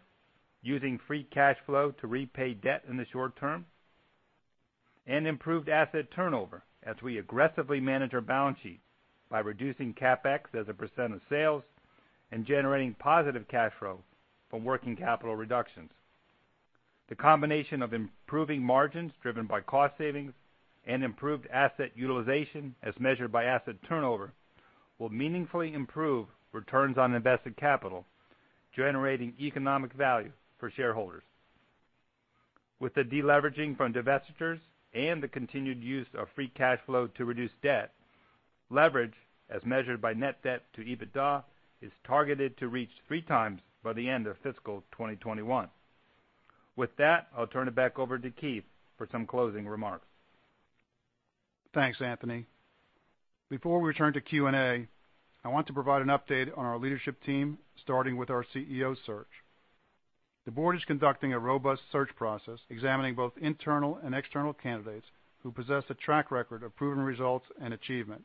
using free cash flow to repay debt in the short term, and improved asset turnover as we aggressively manage our balance sheet by reducing CapEx as a percent of sales and generating positive cash flow from working capital reductions. The combination of improving margins driven by cost savings and improved asset utilization, as measured by asset turnover, will meaningfully improve returns on invested capital, generating economic value for shareholders. With the de-leveraging from divestitures and the continued use of free cash flow to reduce debt, leverage, as measured by net debt to EBITDA, is targeted to reach three times by the end of fiscal 2021. With that, I'll turn it back over to Keith for some closing remarks. Thanks, Anthony. Before we turn to Q&A, I want to provide an update on our leadership team, starting with our CEO search. The board is conducting a robust search process, examining both internal and external candidates who possess a track record of proven results and achievement.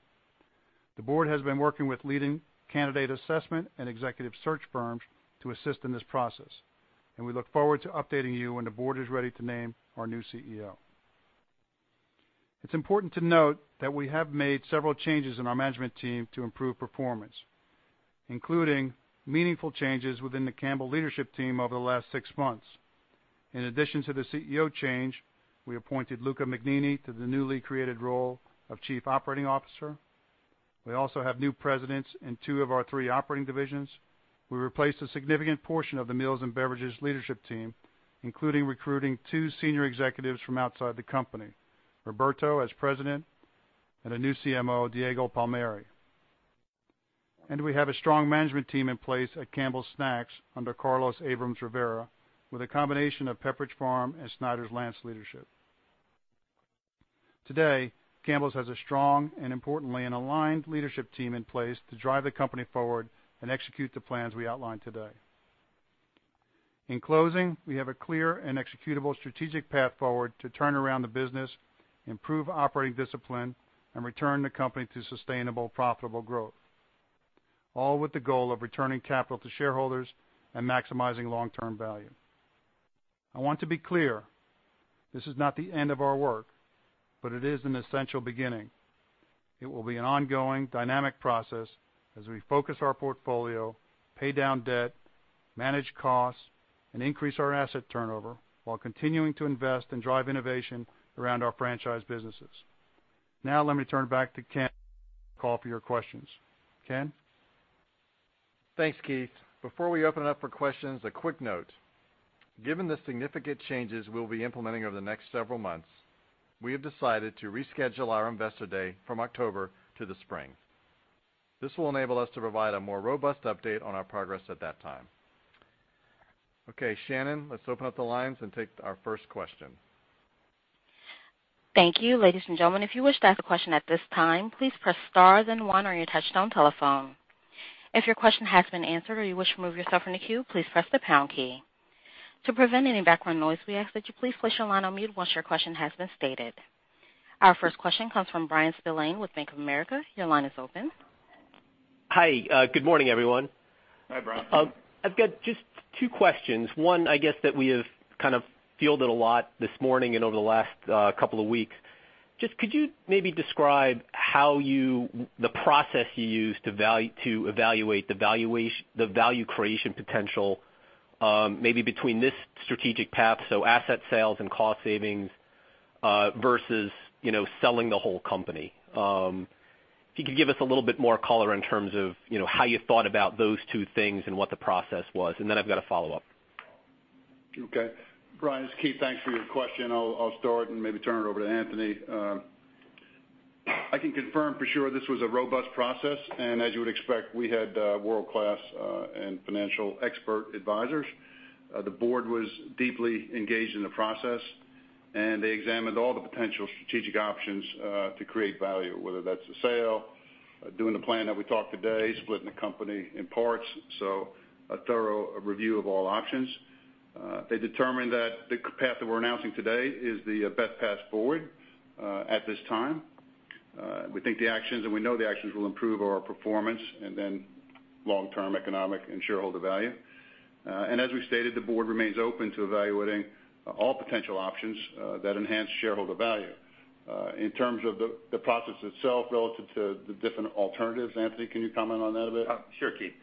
The board has been working with leading candidate assessment and executive search firms to assist in this process, and we look forward to updating you when the board is ready to name our new CEO. It's important to note that we have made several changes in our management team to improve performance, including meaningful changes within the Campbell leadership team over the last six months. In addition to the CEO change, we appointed Luca Mignini to the newly created role of Chief Operating Officer. We also have new presidents in two of our three operating divisions. We replaced a significant portion of the Meals & Beverages leadership team, including recruiting two senior executives from outside the company, Roberto as President and a new CMO, Diego Palmieri. We have a strong management team in place at Campbell Snacks under Carlos Abrams-Rivera, with a combination of Pepperidge Farm and Snyder's-Lance leadership. Today, Campbell's has a strong, and importantly, an aligned leadership team in place to drive the company forward and execute the plans we outlined today. In closing, we have a clear and executable strategic path forward to turn around the business, improve operating discipline, and return the company to sustainable, profitable growth, all with the goal of returning capital to shareholders and maximizing long-term value. I want to be clear, this is not the end of our work, it is an essential beginning. It will be an ongoing dynamic process as we focus our portfolio, pay down debt, manage costs, and increase our asset turnover while continuing to invest and drive innovation around our franchise businesses. Let me turn it back to Ken to call for your questions. Ken? Thanks, Keith. Before we open it up for questions, a quick note. Given the significant changes we'll be implementing over the next several months, we have decided to reschedule our investor day from October to the spring. This will enable us to provide a more robust update on our progress at that time. Shannon, let's open up the lines and take our first question. Thank you. Ladies and gentlemen, if you wish to ask a question at this time, please press star then one on your touch-tone telephone. If your question has been answered or you wish to remove yourself from the queue, please press the pound key. To prevent any background noise, we ask that you please place your line on mute once your question has been stated. Our first question comes from Bryan Spillane with Bank of America. Your line is open. Hi. Good morning, everyone. Hi, Bryan. I've got just two questions. One, I guess that we have kind of fielded a lot this morning and over the last couple of weeks. Just could you maybe describe the process you use to evaluate the value creation potential maybe between this strategic path, so asset sales and cost savings, versus selling the whole company? If you could give us a little bit more color in terms of how you thought about those two things and what the process was. I've got a follow-up. Okay. Bryan, it's Keith. Thanks for your question. I'll start and maybe turn it over to Anthony. I can confirm for sure this was a robust process. As you would expect, we had world-class and financial expert advisors. The board was deeply engaged in the process. They examined all the potential strategic options to create value, whether that's a sale, doing the plan that we talked today, splitting the company in parts, a thorough review of all options. They determined that the path that we're announcing today is the best path forward at this time. We think the actions, we know the actions will improve our performance, long-term economic and shareholder value. As we stated, the board remains open to evaluating all potential options that enhance shareholder value. In terms of the process itself relative to the different alternatives, Anthony, can you comment on that a bit? Sure, Keith.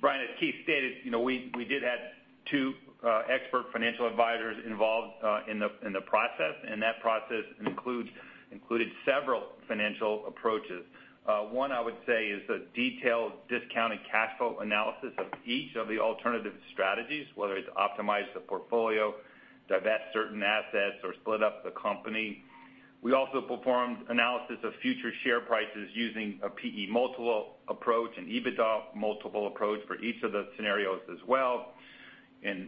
Bryan, as Keith stated, we did have two expert financial advisors involved in the process, that process included several financial approaches. One, I would say, is a detailed discounted cash flow analysis of each of the alternative strategies, whether it's optimize the portfolio, divest certain assets, or split up the company. We also performed analysis of future share prices using a P/E multiple approach, an EBITDA multiple approach for each of the scenarios as well.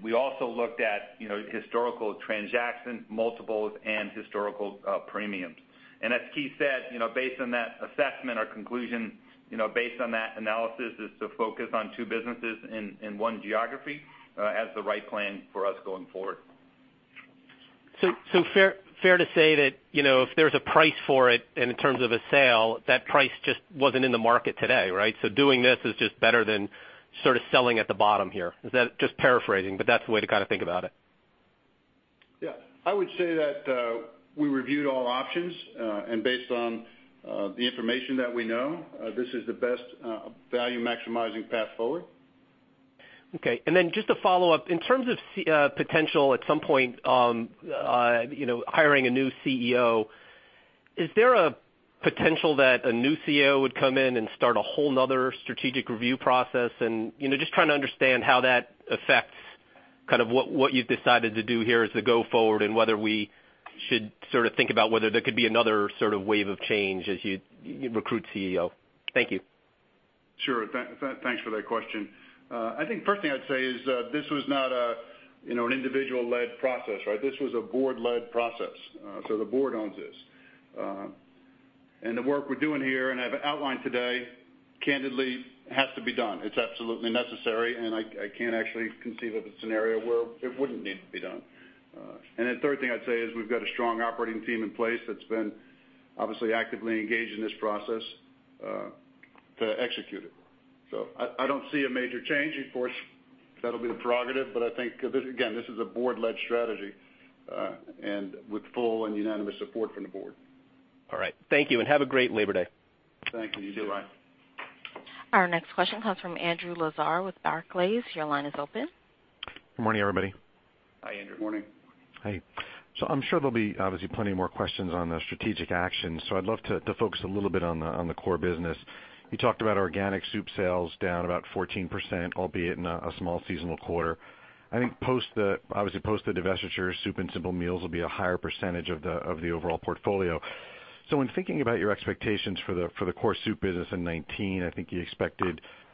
We also looked at historical transaction multiples and historical premiums. As Keith said, based on that assessment or conclusion, based on that analysis, is to focus on two businesses in one geography as the right plan for us going forward. Fair to say that, if there's a price for it and in terms of a sale, that price just wasn't in the market today, right? Doing this is just better than sort of selling at the bottom here. Is that just paraphrasing, but that's the way to kind of think about it. Yeah. I would say that we reviewed all options, based on the information that we know, this is the best value-maximizing path forward. Okay, just to follow up, in terms of potential at some point, hiring a new CEO, is there a potential that a new CEO would come in and start a whole other strategic review process and just trying to understand how that affects what you've decided to do here as the go-forward, and whether we should sort of think about whether there could be another sort of wave of change as you recruit CEO. Thank you. Sure. Thanks for that question. I think first thing I'd say is this was not an individual-led process, right? This was a board-led process. The board owns this. The work we're doing here, and I've outlined today, candidly has to be done. It's absolutely necessary, and I can't actually conceive of a scenario where it wouldn't need to be done. Third thing I'd say is we've got a strong operating team in place that's been obviously actively engaged in this process to execute it. I don't see a major change. Of course, that'll be the prerogative, I think, again, this is a board-led strategy, with full and unanimous support from the board. All right. Thank you, have a great Labor Day. Thank you. You too, Bryan. Our next question comes from Andrew Lazar with Barclays. Your line is open. Good morning, everybody. Hi, Andrew. Morning. Hi. I'm sure there'll be obviously plenty more questions on the strategic action, so I'd love to focus a little bit on the core business. You talked about organic soup sales down about 14%, albeit in a small seasonal quarter. I think obviously post the divestiture, soup and simple meals will be a higher percentage of the overall portfolio. When thinking about your expectations for the core soup business in 2019, I think you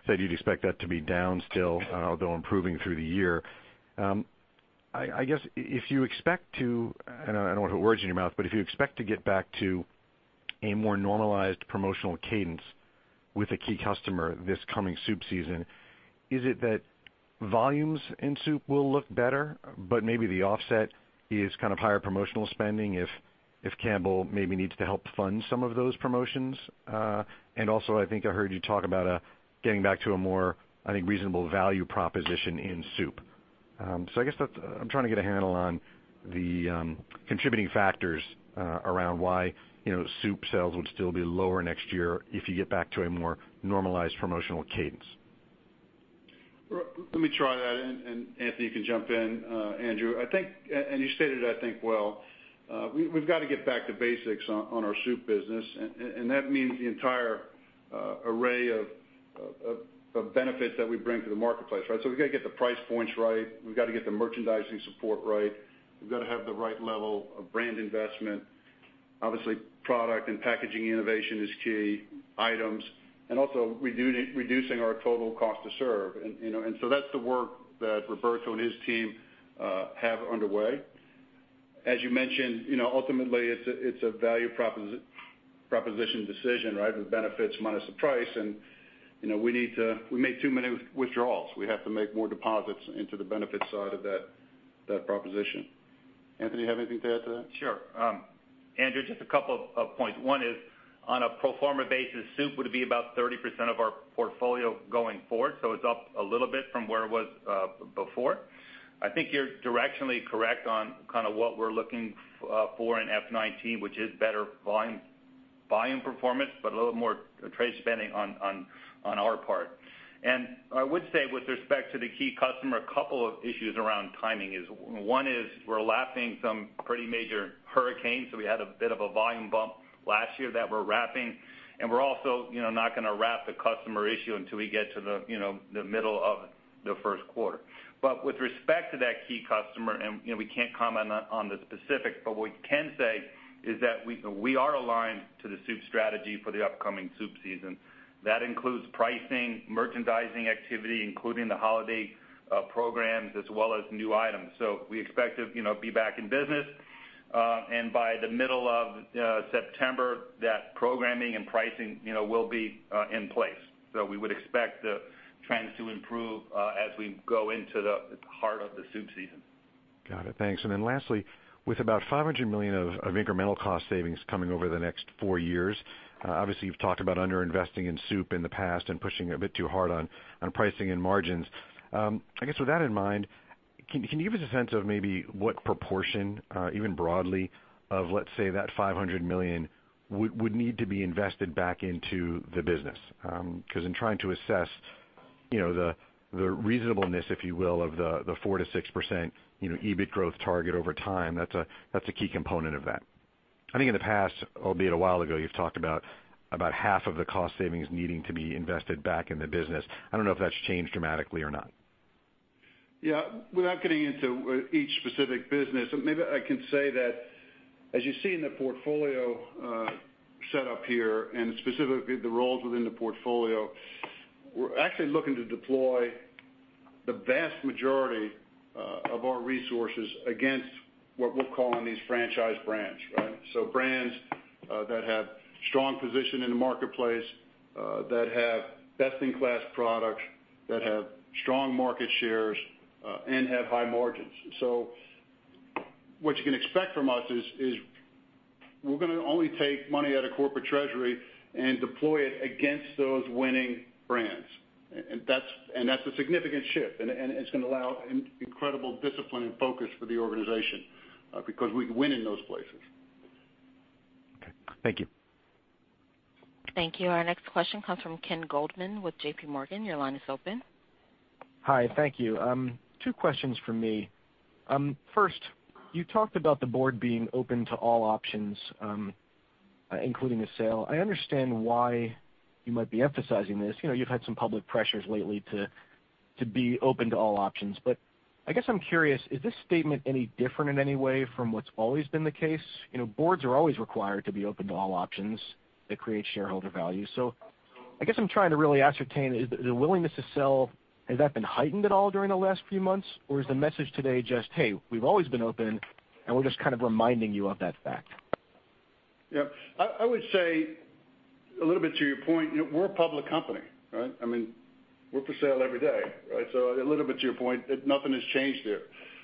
said you'd expect that to be down still, although improving through the year. I guess if you expect to, and I don't want to put words in your mouth, but if you expect to get back to a more normalized promotional cadence with a key customer this coming soup season, is it that volumes in soup will look better, but maybe the offset is kind of higher promotional spending if Campbell maybe needs to help fund some of those promotions? Also, I think I heard you talk about getting back to a more, I think, reasonable value proposition in soup. I guess that I'm trying to get a handle on the contributing factors around why soup sales would still be lower next year if you get back to a more normalized promotional cadence. Let me try that. Anthony can jump in, Andrew. You stated, I think well. We've got to get back to basics on our soup business, that means the entire array of benefits that we bring to the marketplace, right? We've got to get the price points right. We've got to get the merchandising support right. We've got to have the right level of brand investment. Obviously, product and packaging innovation is key items, reducing our total cost to serve. That's the work that Roberto and his team have underway. As you mentioned, ultimately it's a value proposition decision, right? The benefits minus the price, we made too many withdrawals. We have to make more deposits into the benefits side of that proposition. Anthony, you have anything to add to that? Sure. Andrew, just a couple of points. One is, on a pro forma basis, soup would be about 30% of our portfolio going forward. It's up a little bit from where it was before. I think you're directionally correct on kind of what we're looking for in FY 2019, which is better volume performance, but a little more trade spending on our part. I would say with respect to the key customer, a couple of issues around timing is, one we're lapping some pretty major hurricanes, so we had a bit of a volume bump last year that we're wrapping, we're also not going to wrap the customer issue until we get to the middle of the first quarter. With respect to that key customer, we can't comment on the specifics, what we can say is that we are aligned to the soup strategy for the upcoming soup season. That includes pricing, merchandising activity, including the holiday programs, as well as new items. We expect to be back in business. By the middle of September, that programming and pricing will be in place. We would expect the trends to improve, as we go into the heart of the soup season. Got it. Thanks. Lastly, with about $500 million of incremental cost savings coming over the next 4 years, obviously you've talked about under-investing in soup in the past and pushing a bit too hard on pricing and margins. I guess with that in mind, can you give us a sense of maybe what proportion, even broadly of, let's say, that $500 million would need to be invested back into the business? Because in trying to assess the reasonableness, if you will, of the 4%-6% EBIT growth target over time, that's a key component of that. I think in the past, albeit a while ago, you've talked about half of the cost savings needing to be invested back in the business. I don't know if that's changed dramatically or not. Yeah. Without getting into each specific business, maybe I can say that as you see in the portfolio set up here, and specifically the roles within the portfolio, we're actually looking to deploy the vast majority of our resources against what we're calling these franchise brands, right? Brands that have strong position in the marketplace, that have best-in-class products, that have strong market shares, and have high margins. What you can expect from us is we're gonna only take money out of corporate treasury and deploy it against those winning brands. That's a significant shift, and it's gonna allow incredible discipline and focus for the organization, because we can win in those places. Okay. Thank you. Thank you. Our next question comes from Ken Goldman with J.P. Morgan. Your line is open. Hi. Thank you. Two questions from me. First, you talked about the board being open to all options, including a sale. I understand why you might be emphasizing this. You've had some public pressures lately to be open to all options. I guess I'm curious, is this statement any different in any way from what's always been the case? Boards are always required to be open to all options that create shareholder value. I guess I'm trying to really ascertain, the willingness to sell, has that been heightened at all during the last few months? Or is the message today just, "Hey, we've always been open, and we're just kind of reminding you of that fact. Yep. I would say a little bit to your point, we're a public company, right? We're for sale every day, right? A little bit to your point, nothing has changed there.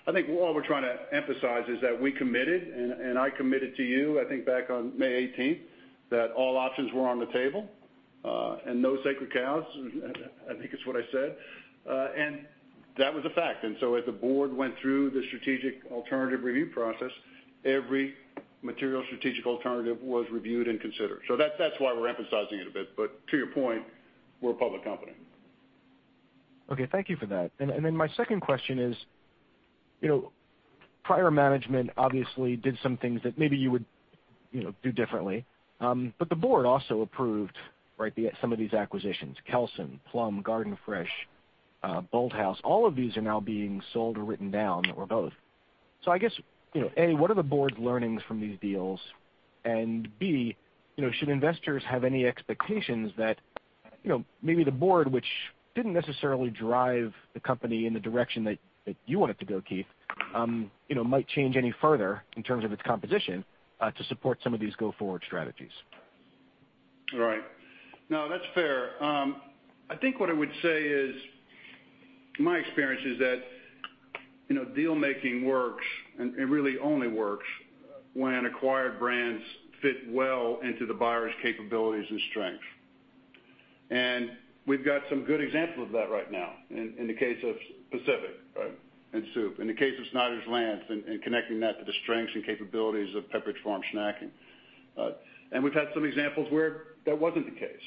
I think what we're trying to emphasize is that we committed, and I committed to you, I think back on May 18th, that all options were on the table, and no sacred cows, I think is what I said. That was a fact. As the board went through the strategic alternative review process, every material strategic alternative was reviewed and considered. That's why we're emphasizing it a bit, but to your point, we're a public company. Okay. Thank you for that. My second question is, prior management obviously did some things that maybe you would do differently. The board also approved some of these acquisitions, Kelsen, Plum, Garden Fresh, Bolthouse Farms, all of these are now being sold or written down, or both. I guess, A, what are the board's learnings from these deals? B, should investors have any expectations that maybe the board, which didn't necessarily drive the company in the direction that you want it to go, Keith, might change any further in terms of its composition, to support some of these go-forward strategies? Right. No, that's fair. I think what I would say is, my experience is that deal-making works, and it really only works when acquired brands fit well into the buyer's capabilities and strengths. We've got some good examples of that right now. In the case of Pacific, right, and soup. In the case of Snyder's-Lance and connecting that to the strengths and capabilities of Pepperidge Farm Snacking. We've had some examples where that wasn't the case,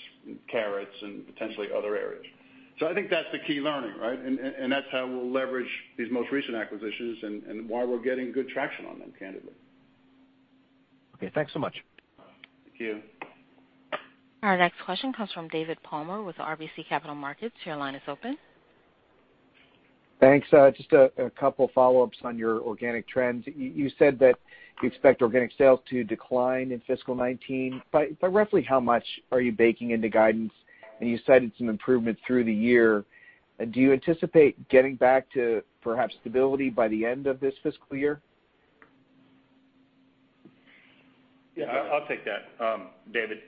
Carrot Ingredients and potentially other areas. I think that's the key learning, right? That's how we'll leverage these most recent acquisitions and why we're getting good traction on them, candidly. Okay. Thanks so much. Thank you. Our next question comes from David Palmer with RBC Capital Markets. Your line is open. Thanks. Just a couple follow-ups on your organic trends. You said that you expect organic sales to decline in fiscal 2019. By roughly how much are you baking into guidance? You cited some improvement through the year. Do you anticipate getting back to perhaps stability by the end of this fiscal year? Yeah. I'll take that, David.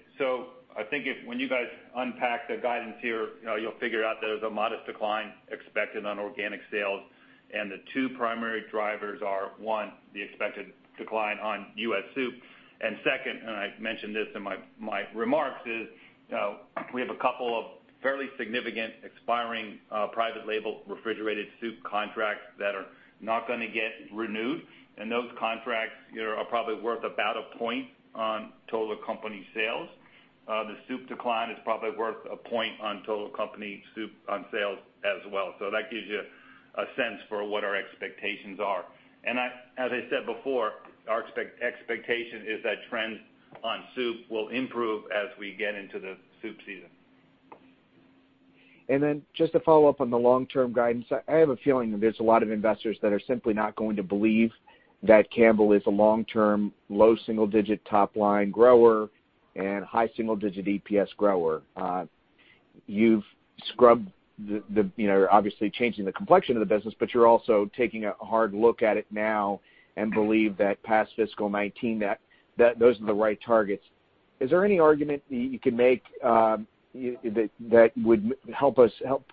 I think when you guys unpack the guidance here, you'll figure out that there's a modest decline expected on organic sales, and the two primary drivers are, one, the expected decline on U.S. soup, and second, and I mentioned this in my remarks, is we have a couple of fairly significant expiring private label refrigerated soup contracts that are not gonna get renewed. Those contracts are probably worth about a point on total company sales. The soup decline is probably worth a point on total company soup on sales as well. That gives you a sense for what our expectations are. As I said before, our expectation is that trends on soup will improve as we get into the soup season. Just to follow up on the long-term guidance, I have a feeling that there's a lot of investors that are simply not going to believe that Campbell is a long-term, low single-digit top-line grower and high single-digit EPS grower. You're obviously changing the complexion of the business, but you're also taking a hard look at it now and believe that past fiscal 2019, that those are the right targets. Is there any argument that you can make that would help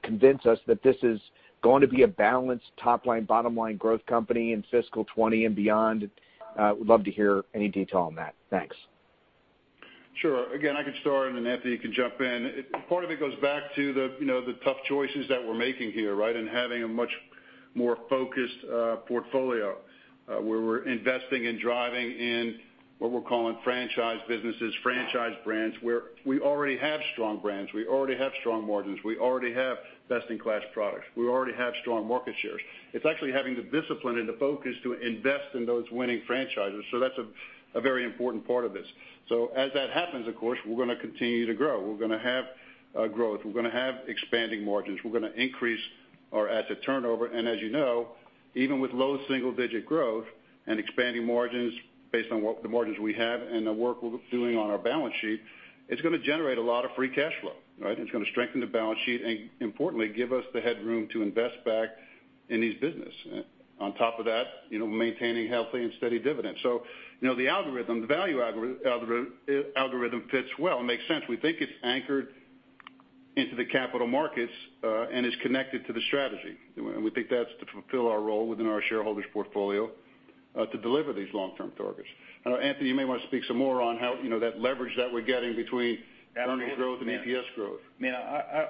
convince us that this is going to be a balanced top-line, bottom-line growth company in fiscal 2020 and beyond? Would love to hear any detail on that. Thanks. Sure. Again, I can start, and then Anthony, you can jump in. Part of it goes back to the tough choices that we're making here, right? Having a much more focused portfolio, where we're investing in driving in what we're calling franchise businesses, franchise brands, where we already have strong brands. We already have strong margins. We already have best-in-class products. We already have strong market shares. It's actually having the discipline and the focus to invest in those winning franchises. That's a very important part of this. As that happens, of course, we're going to continue to grow. We're going to have growth. We're going to have expanding margins. We're going to increase our asset turnover. As you know, even with low single-digit growth and expanding margins based on what the margins we have and the work we're doing on our balance sheet, it's going to generate a lot of free cash flow, right? It's going to strengthen the balance sheet, and importantly, give us the headroom to invest back in each business. On top of that, maintaining healthy and steady dividends. The algorithm, the value algorithm fits well and makes sense. We think it's anchored into the capital markets, and is connected to the strategy. We think that's to fulfill our role within our shareholders' portfolio, to deliver these long-term targets. I know, Anthony, you may want to speak some more on how that leverage that we're getting between. Absolutely internal growth and EPS growth.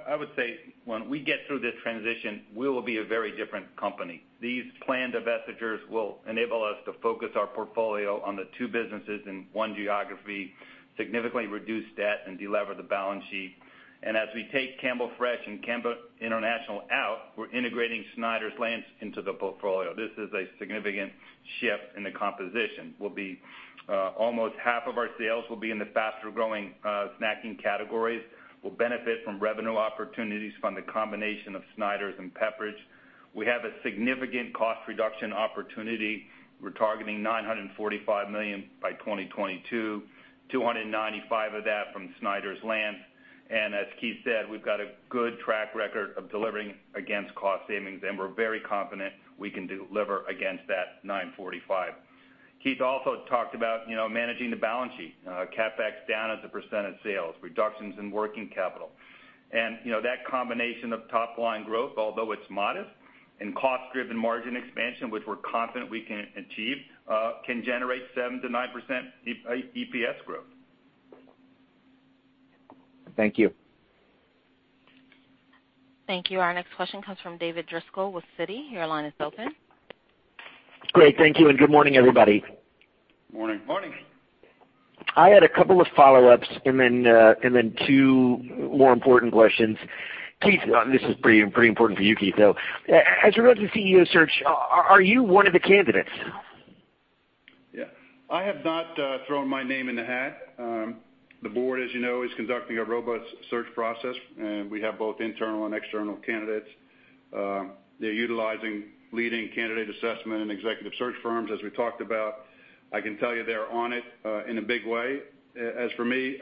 I would say when we get through this transition, we will be a very different company. These planned divestitures will enable us to focus our portfolio on the two businesses in one geography, significantly reduce debt, and de-lever the balance sheet. As we take Campbell Fresh and Campbell International out, we're integrating Snyder's-Lance into the portfolio. This is a significant shift in the composition. Almost half of our sales will be in the faster-growing snacking categories. We'll benefit from revenue opportunities from the combination of Snyder's and Pepperidge. We have a significant cost reduction opportunity. We're targeting $945 million by 2022, $295 million of that from Snyder's-Lance. As Keith said, we've got a good track record of delivering against cost savings, and we're very confident we can deliver against that $945 million. Keith also talked about managing the balance sheet, CapEx down as a % of sales, reductions in working capital. That combination of top-line growth, although it's modest, and cost-driven margin expansion, which we're confident we can achieve, can generate 7%-9% EPS growth. Thank you. Thank you. Our next question comes from David Driscoll with Citi. Your line is open. Great. Thank you. Good morning, everybody. Morning. Morning. I had a couple of follow-ups and then two more important questions. Keith, this is pretty important for you, Keith, though. As it relates to CEO search, are you one of the candidates? Yeah. I have not thrown my name in the hat. The board, as you know, is conducting a robust search process, and we have both internal and external candidates. They're utilizing leading candidate assessment and executive search firms, as we talked about. I can tell you they're on it in a big way. As for me,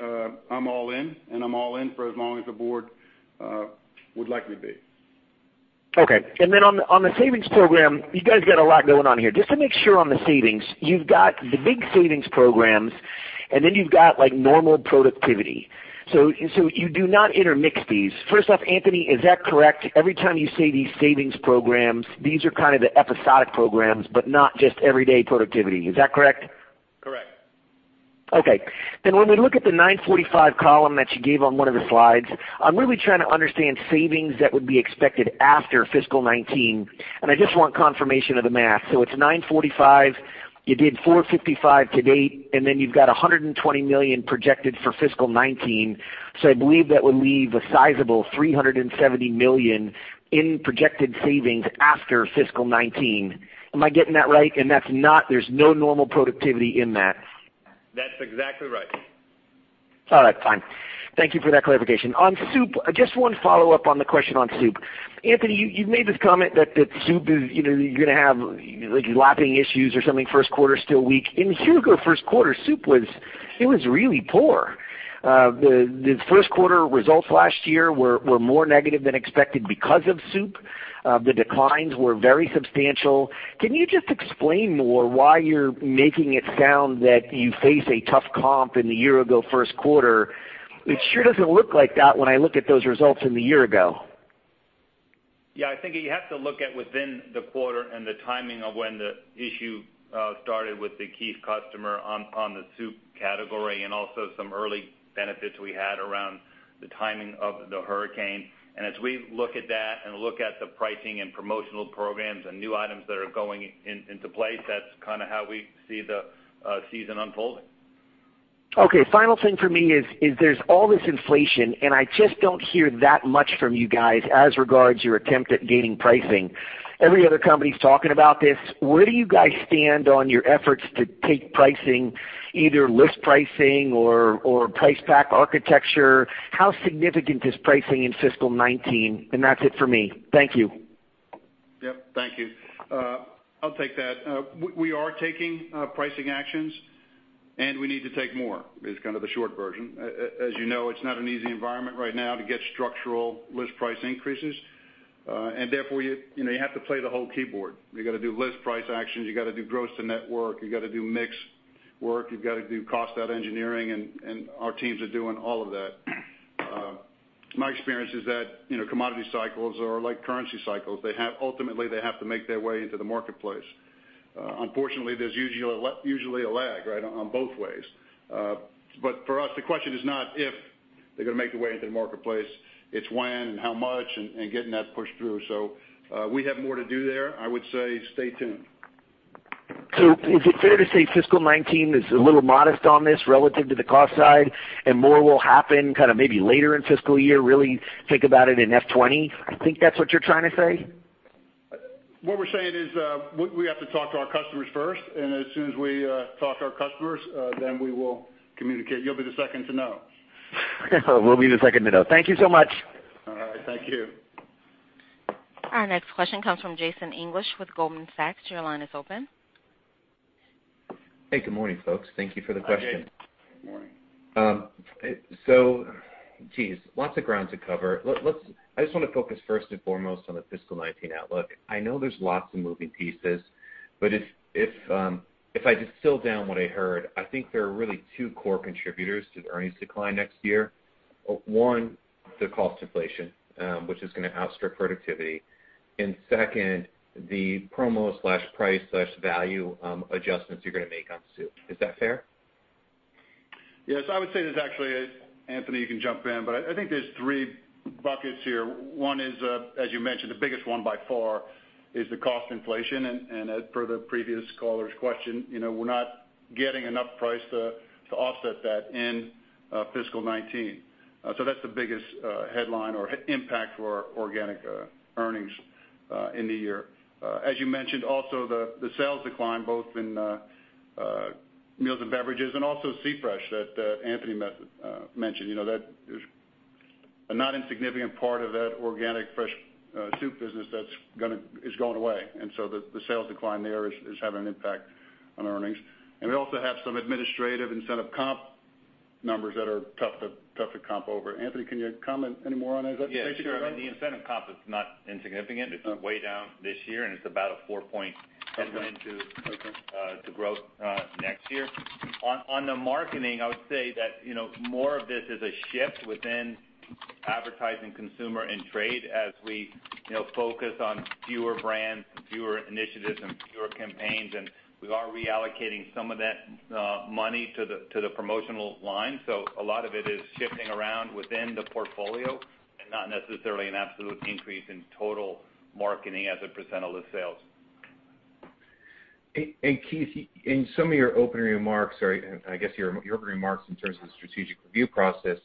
I'm all in, and I'm all in for as long as the board would like me to be. Okay. On the savings program, you guys got a lot going on here. Just to make sure on the savings, you've got the big savings programs, and then you've got normal productivity. You do not intermix these. First off, Anthony, is that correct? Every time you say these savings programs, these are kind of the episodic programs, but not just everyday productivity. Is that correct? Correct. Okay. When we look at the 945 column that you gave on one of the slides, I'm really trying to understand savings that would be expected after FY 2019, and I just want confirmation of the math. It's 945, you did 455 to date, and then you've got $120 million projected for FY 2019. I believe that would leave a sizable $370 million in projected savings after FY 2019. Am I getting that right? There's no normal productivity in that. That's exactly right. All right, fine. Thank you for that clarification. On soup, just one follow-up on the question on soup. Anthony, you've made this comment that soup is, you're going to have lapping issues or something first quarter, still weak. In the year-ago first quarter, soup was, it was really poor. The first quarter results last year were more negative than expected because of soup. The declines were very substantial. Can you just explain more why you're making it sound that you face a tough comp in the year-ago first quarter? It sure doesn't look like that when I look at those results in the year ago. I think you have to look at within the quarter and the timing of when the issue started with the key customer on the soup category, also some early benefits we had around the timing of the hurricane. As we look at that and look at the pricing and promotional programs and new items that are going into place, that's kind of how we see the season unfolding. Okay, final thing for me is there's all this inflation, I just don't hear that much from you guys as regards your attempt at gaining pricing. Every other company's talking about this. Where do you guys stand on your efforts to take pricing, either list pricing or price pack architecture? How significant is pricing in fiscal 2019? That's it for me. Thank you. Yep, thank you. I'll take that. We are taking pricing actions, we need to take more, is kind of the short version. As you know, it's not an easy environment right now to get structural list price increases. Therefore, you have to play the whole keyboard. You gotta do list price actions. You gotta do gross-to-net work. You gotta do mix work. You've gotta do cost-out engineering, our teams are doing all of that. My experience is that commodity cycles are like currency cycles. Ultimately, they have to make their way into the marketplace. Unfortunately, there's usually a lag, right, on both ways. For us, the question is not if they're gonna make their way into the marketplace, it's when and how much and getting that pushed through. We have more to do there. I would say stay tuned. Is it fair to say fiscal 2019 is a little modest on this relative to the cost side, more will happen maybe later in fiscal year, really think about it in FY 2020? I think that's what you're trying to say? What we're saying is, we have to talk to our customers first, and as soon as we talk to our customers, then we will communicate. You'll be the second to know. We'll be the second to know. Thank you so much. All right. Thank you. Our next question comes from Jason English with Goldman Sachs. Your line is open. Hey, good morning, folks. Thank you for the question. Hi, Jason. Good morning. Geez, lots of ground to cover. I just wanna focus first and foremost on the fiscal 2019 outlook. I know there's lots of moving pieces, but if I distill down what I heard, I think there are really two core contributors to the earnings decline next year. One, the cost inflation, which is gonna outstrip productivity. Second, the promo/price/value adjustments you're gonna make on soup. Is that fair? Yes, I would say there's actually, Anthony, you can jump in, but I think there's three buckets here. One is, as you mentioned, the biggest one by far is the cost inflation, and as per the previous caller's question, we're not getting enough price to offset that in fiscal 2019. That's the biggest headline or impact for our organic earnings in the year. As you mentioned, also the sales decline both in Meals & Beverages and also Campbell Fresh that Anthony mentioned. A not insignificant part of that organic fresh soup business is going away. The sales decline there is having an impact on earnings. We also have some administrative incentive comp numbers that are tough to comp over. Anthony, can you comment any more on that? Yeah, sure. The incentive comp is not insignificant. It's way down this year, and it's about a four-point headwind to- Okay the growth next year. On the marketing, I would say that more of this is a shift within advertising consumer and trade as we focus on fewer brands and fewer initiatives and fewer campaigns. We are reallocating some of that money to the promotional line. A lot of it is shifting around within the portfolio and not necessarily an absolute increase in total marketing as a % of the sales. Keith, in some of your opening remarks, or I guess your opening remarks in terms of the strategic review process,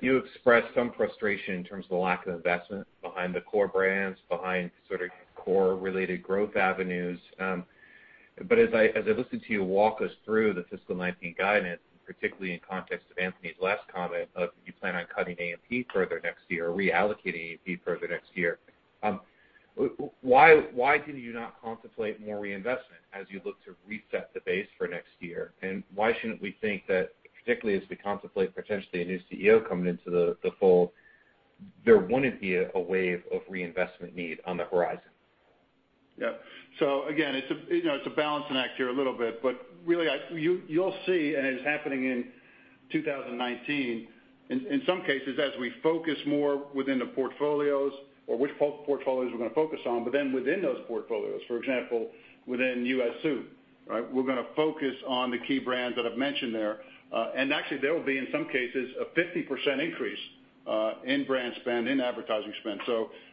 you expressed some frustration in terms of the lack of investment behind the core brands, behind sort of core related growth avenues. As I listened to you walk us through the fiscal 2019 guidance, particularly in context of Anthony's last comment of you plan on cutting AMP further next year or reallocating AMP further next year, why do you not contemplate more reinvestment as you look to reset the base for next year? Why shouldn't we think that, particularly as we contemplate potentially a new CEO coming into the fold, there wouldn't be a wave of reinvestment need on the horizon? Yep. Again, it's a balancing act here a little bit, but really, you'll see, and it's happening in 2019, in some cases, as we focus more within the portfolios or which portfolios we're going to focus on, but then within those portfolios. For example, within U.S. Soup, right? We're going to focus on the key brands that I've mentioned there. Actually, there will be, in some cases, a 50% increase in brand spend, in advertising spend.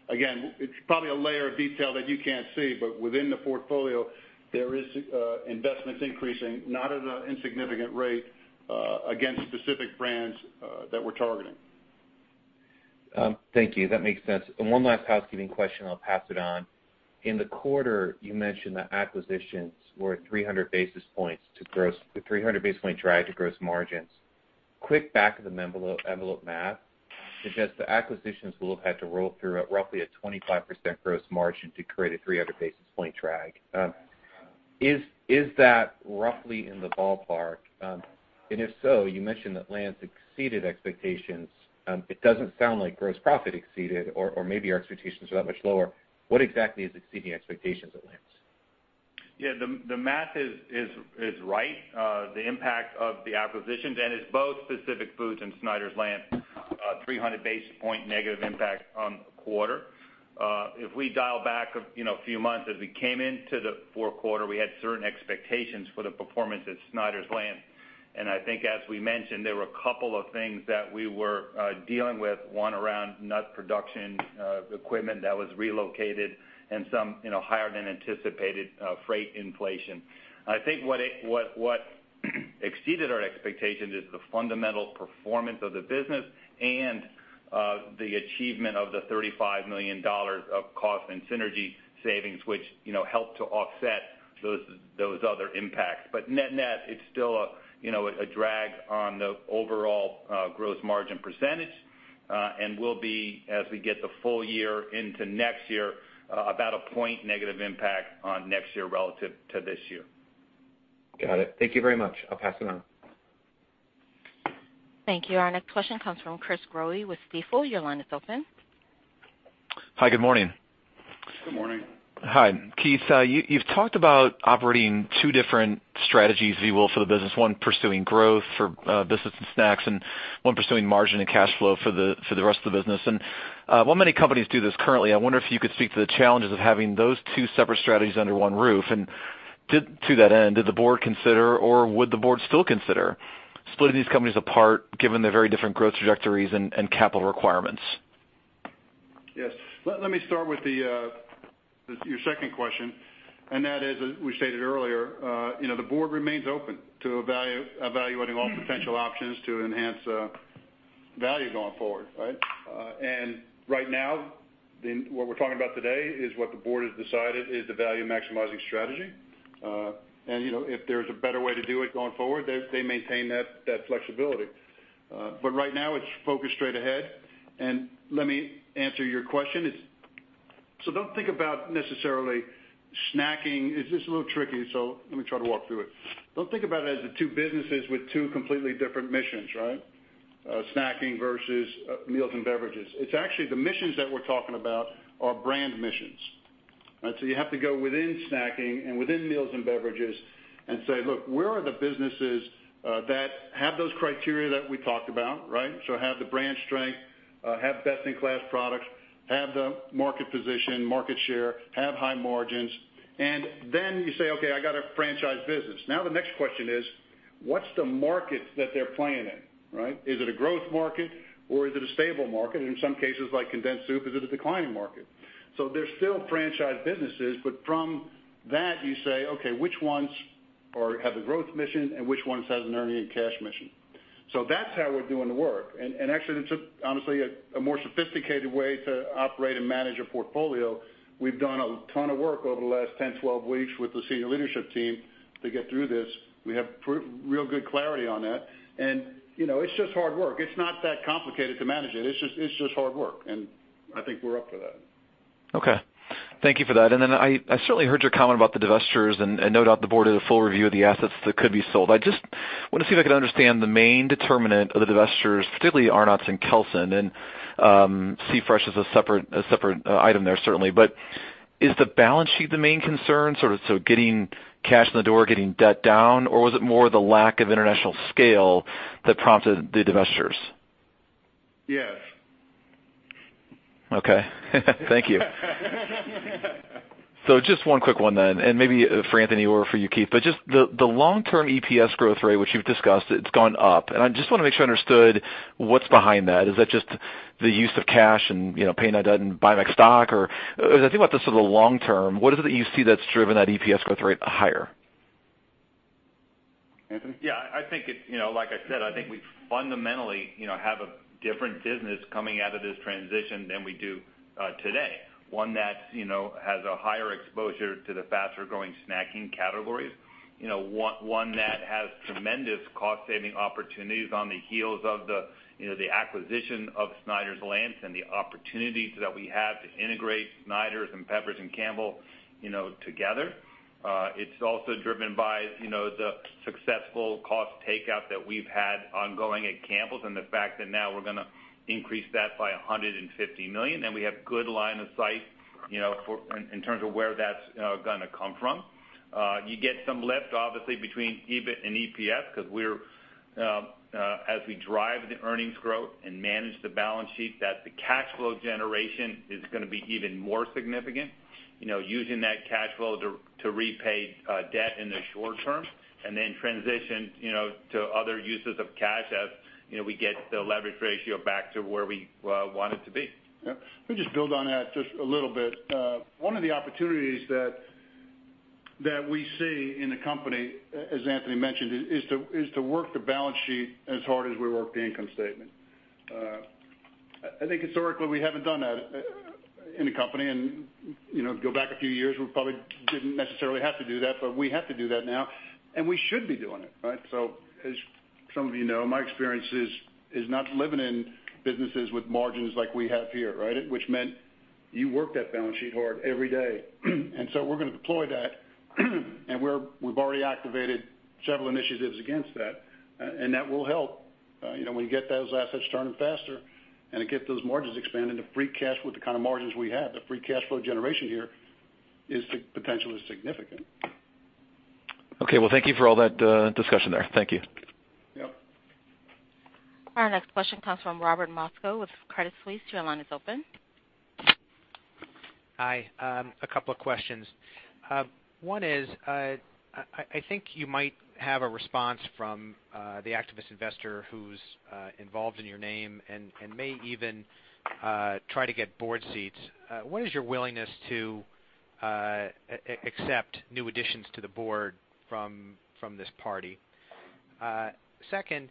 Again, it's probably a layer of detail that you can't see, but within the portfolio, there is investments increasing, not at an insignificant rate, against specific brands that we're targeting. Thank you. That makes sense. One last housekeeping question, I'll pass it on. In the quarter, you mentioned that acquisitions were 300 basis points drag to gross margins. Quick back of the envelope math suggests that acquisitions will have had to roll through at roughly a 25% gross margin to create a 300 basis point drag. Is that roughly in the ballpark? If so, you mentioned that Lance exceeded expectations. It doesn't sound like gross profit exceeded or maybe our expectations are that much lower. What exactly is exceeding expectations at Lance? Yeah, the math is right. The impact of the acquisitions, it's both Pacific Foods and Snyder's-Lance, 300 basis point negative impact on the quarter. If we dial back a few months as we came into the fourth quarter, we had certain expectations for the performance at Snyder's-Lance. I think as we mentioned, there were a couple of things that we were dealing with. One around nut production, equipment that was relocated and some higher than anticipated freight inflation. I think what exceeded our expectation is the fundamental performance of the business and the achievement of the $35 million of cost and synergy savings, which helped to offset those other impacts. Net net, it's still a drag on the overall growth margin percentage and will be as we get the full year into next year, about a point negative impact on next year relative to this year. Got it. Thank you very much. I'll pass it on. Thank you. Our next question comes from Chris Growe with Stifel. Your line is open. Hi, good morning. Good morning. Hi. Keith, you've talked about operating two different strategies, if you will, for the business, one pursuing growth for business and snacks, and one pursuing margin and cash flow for the rest of the business. While many companies do this currently, I wonder if you could speak to the challenges of having those two separate strategies under one roof. To that end, did the board consider or would the board still consider splitting these companies apart given their very different growth trajectories and capital requirements? Yes. Let me start with your second question, and that is, as we stated earlier, the board remains open to evaluating all potential options to enhance value going forward, right? Right now, what we're talking about today is what the board has decided is the value-maximizing strategy. If there's a better way to do it going forward, they maintain that flexibility. Right now it's focused straight ahead. Let me answer your question. Don't think about necessarily snacking. It's just a little tricky, so let me try to walk through it. Don't think about it as the two businesses with two completely different missions, right? Snacking versus Meals & Beverages. It's actually the missions that we're talking about are brand missions. You have to go within snacking and within Meals & Beverages and say, look, where are the businesses that have those criteria that we talked about, right? Have the brand strength, have best-in-class products, have the market position, market share, have high margins, and then you say, okay, I got a franchise business. Now the next question is, what's the market that they play in, right? Is it a growth market or is it a stable market? In some cases like condensed soup, is it a declining market? They're still franchise businesses, but from that you say, okay, which ones have a growth mission and which ones has an earning and cash mission? That's how we're doing the work. Actually, it's honestly a more sophisticated way to operate and manage a portfolio. We've done a ton of work over the last 10, 12 weeks with the senior leadership team to get through this. We have real good clarity on that. It's just hard work. It's not that complicated to manage it. It's just hard work, and I think we're up for that. Okay. Thank you for that. I certainly heard your comment about the divestitures and no doubt the board did a full review of the assets that could be sold. I just want to see if I can understand the main determinant of the divestitures, specifically Arnott's and Kelsen and C-Fresh is a separate item there certainly. Is the balance sheet the main concern? Getting cash in the door, getting debt down, or was it more the lack of international scale that prompted the divestitures? Yes. Thank you. Just one quick one, maybe for Anthony or for you, Keith. Just the long-term EPS growth rate, which you've discussed, it's gone up, and I just want to make sure I understood what's behind that. Is that just the use of cash and paying that debt and buying back stock? As I think about this sort of long term, what is it that you see that's driven that EPS growth rate higher? Anthony? Like I said, I think we fundamentally have a different business coming out of this transition than we do today. One that has a higher exposure to the faster-growing snacking categories. One that has tremendous cost-saving opportunities on the heels of the acquisition of Snyder's-Lance and the opportunities that we have to integrate Snyder's and Pepperidge Farm and Campbell together. It's also driven by the successful cost takeout that we've had ongoing at Campbell's and the fact that now we're going to increase that by $150 million, and we have good line of sight in terms of where that's going to come from. You get some lift obviously between EBIT and EPS because as we drive the earnings growth and manage the balance sheet, that the cash flow generation is going to be even more significant. Using that cash flow to repay debt in the short term, transition to other uses of cash as we get the leverage ratio back to where we want it to be. Yep. Let me just build on that just a little bit. One of the opportunities that we see in the company, as Anthony mentioned, is to work the balance sheet as hard as we work the income statement. I think historically, we haven't done that in the company. Go back a few years, we probably didn't necessarily have to do that, but we have to do that now, and we should be doing it, right? As some of you know, my experience is not living in businesses with margins like we have here, right? Which meant you work that balance sheet hard every day. We're going to deploy that, and we've already activated several initiatives against that, and that will help when we get those assets turning faster and get those margins expanding, the free cash flow, the kind of margins we have, the free cash flow generation here is potentially significant. Okay. Well, thank you for all that discussion there. Thank you. Yep. Our next question comes from Robert Moskow with Credit Suisse. Your line is open. Hi. A couple of questions. One is, I think you might have a response from the activist investor who's involved in your name and may even try to get board seats. What is your willingness to accept new additions to the board from this party? Second,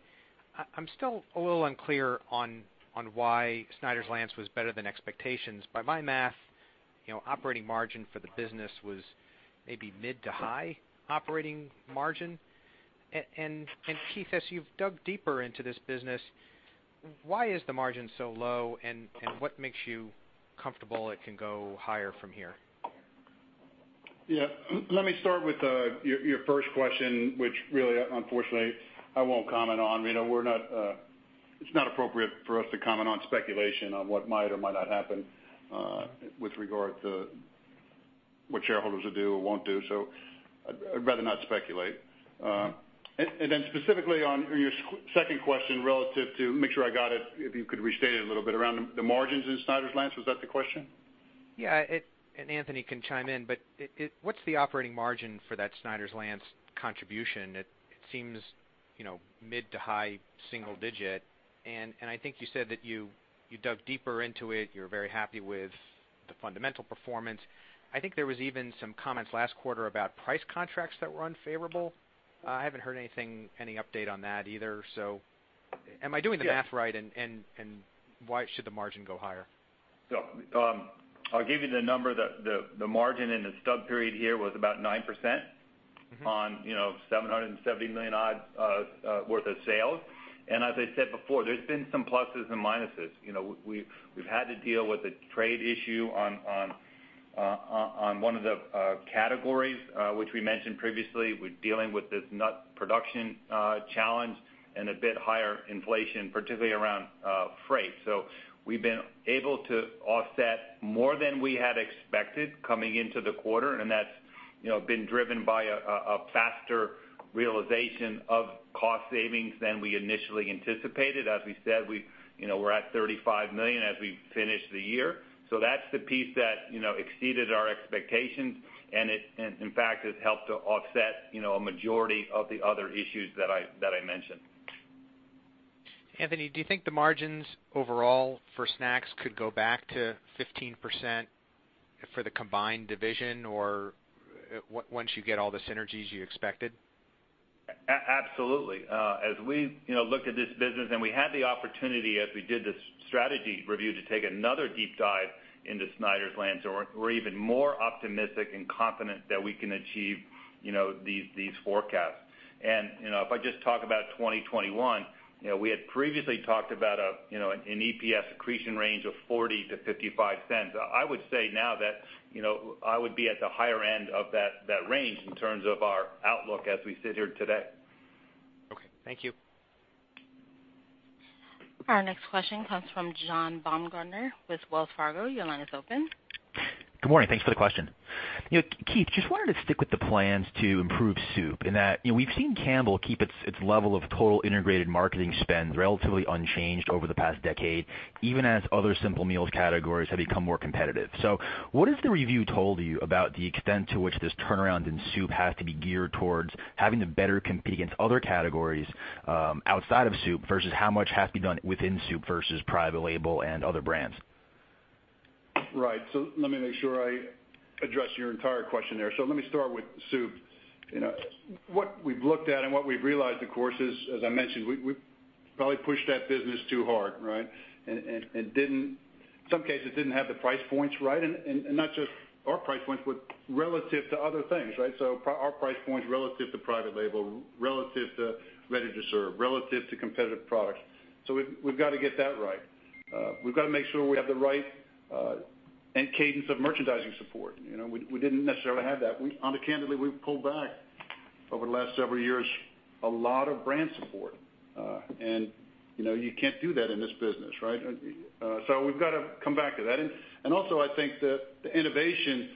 I'm still a little unclear on why Snyder's-Lance was better than expectations. By my math, operating margin for the business was maybe mid to high operating margin. Keith, as you've dug deeper into this business, why is the margin so low and what makes you comfortable it can go higher from here? Let me start with your first question, which really, unfortunately, I won't comment on. It's not appropriate for us to comment on speculation on what might or might not happen with regard to what shareholders will do or won't do. I'd rather not speculate. Specifically on your second question relative to, make sure I got it, if you could restate it a little bit, around the margins in Snyder's-Lance. Was that the question? Yeah, Anthony can chime in, but what's the operating margin for that Snyder's-Lance contribution? It seems mid to high single digit, and I think you said that you dug deeper into it. You're very happy with the fundamental performance. I think there was even some comments last quarter about price contracts that were unfavorable. I haven't heard anything, any update on that either. Am I doing the math right? Why should the margin go higher? I'll give you the number. The margin in the stub period here was about 9% on $770 million odd worth of sales. As I said before, there's been some pluses and minuses. We've had to deal with a trade issue on one of the categories, which we mentioned previously. We're dealing with this nut production challenge and a bit higher inflation, particularly around freight. We've been able to offset more than we had expected coming into the quarter, and that's been driven by a faster realization of cost savings than we initially anticipated. As we said, we're at $35 million as we finish the year. That's the piece that exceeded our expectations and in fact, has helped to offset a majority of the other issues that I mentioned. Anthony, do you think the margins overall for snacks could go back to 15% for the combined division or once you get all the synergies you expected? Absolutely. As we looked at this business and we had the opportunity as we did this strategy review, to take another deep dive into Snyder's-Lance, we're even more optimistic and confident that we can achieve these forecasts. If I just talk about 2021, we had previously talked about an EPS accretion range of $0.40-$0.55. I would say now that I would be at the higher end of that range in terms of our outlook as we sit here today. Okay. Thank you. Our next question comes from John Baumgartner with Wells Fargo. Your line is open. Good morning. Thanks for the question. Keith, just wanted to stick with the plans to improve soup in that we've seen Campbell keep its level of total integrated marketing spend relatively unchanged over the past decade, even as other simple meals categories have become more competitive. What has the review told you about the extent to which this turnaround in soup has to be geared towards having to better compete against other categories outside of soup, versus how much has to be done within soup versus private label and other brands? Right. Let me make sure I address your entire question there. Let me start with soup. What we've looked at and what we've realized, of course, is, as I mentioned, we probably pushed that business too hard, right? In some cases, didn't have the price points right, and not just our price points, but relative to other things, right? Our price points relative to private label, relative to ready to serve, relative to competitive products. We've got to get that right. We've got to make sure we have the right cadence of merchandising support. We didn't necessarily have that. Candidly, we pulled back over the last several years, a lot of brand support. You can't do that in this business, right? We've got to come back to that. Also, I think the innovation,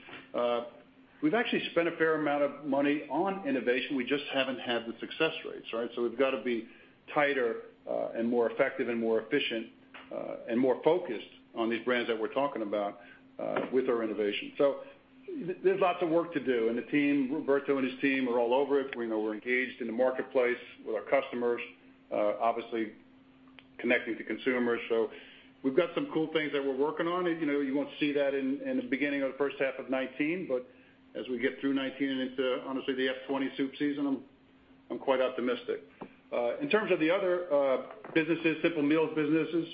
we've actually spent a fair amount of money on innovation. We just haven't had the success rates, right? We've got to be tighter and more effective and more efficient and more focused on these brands that we're talking about with our innovation. There's lots of work to do. Roberto and his team are all over it. We're engaged in the marketplace with our customers, obviously connecting to consumers. We've got some cool things that we're working on. You won't see that in the beginning of the first half of 2019, but as we get through 2019 into, honestly, the FY 2020 Soup season, I'm quite optimistic. In terms of the other businesses, simple meals businesses,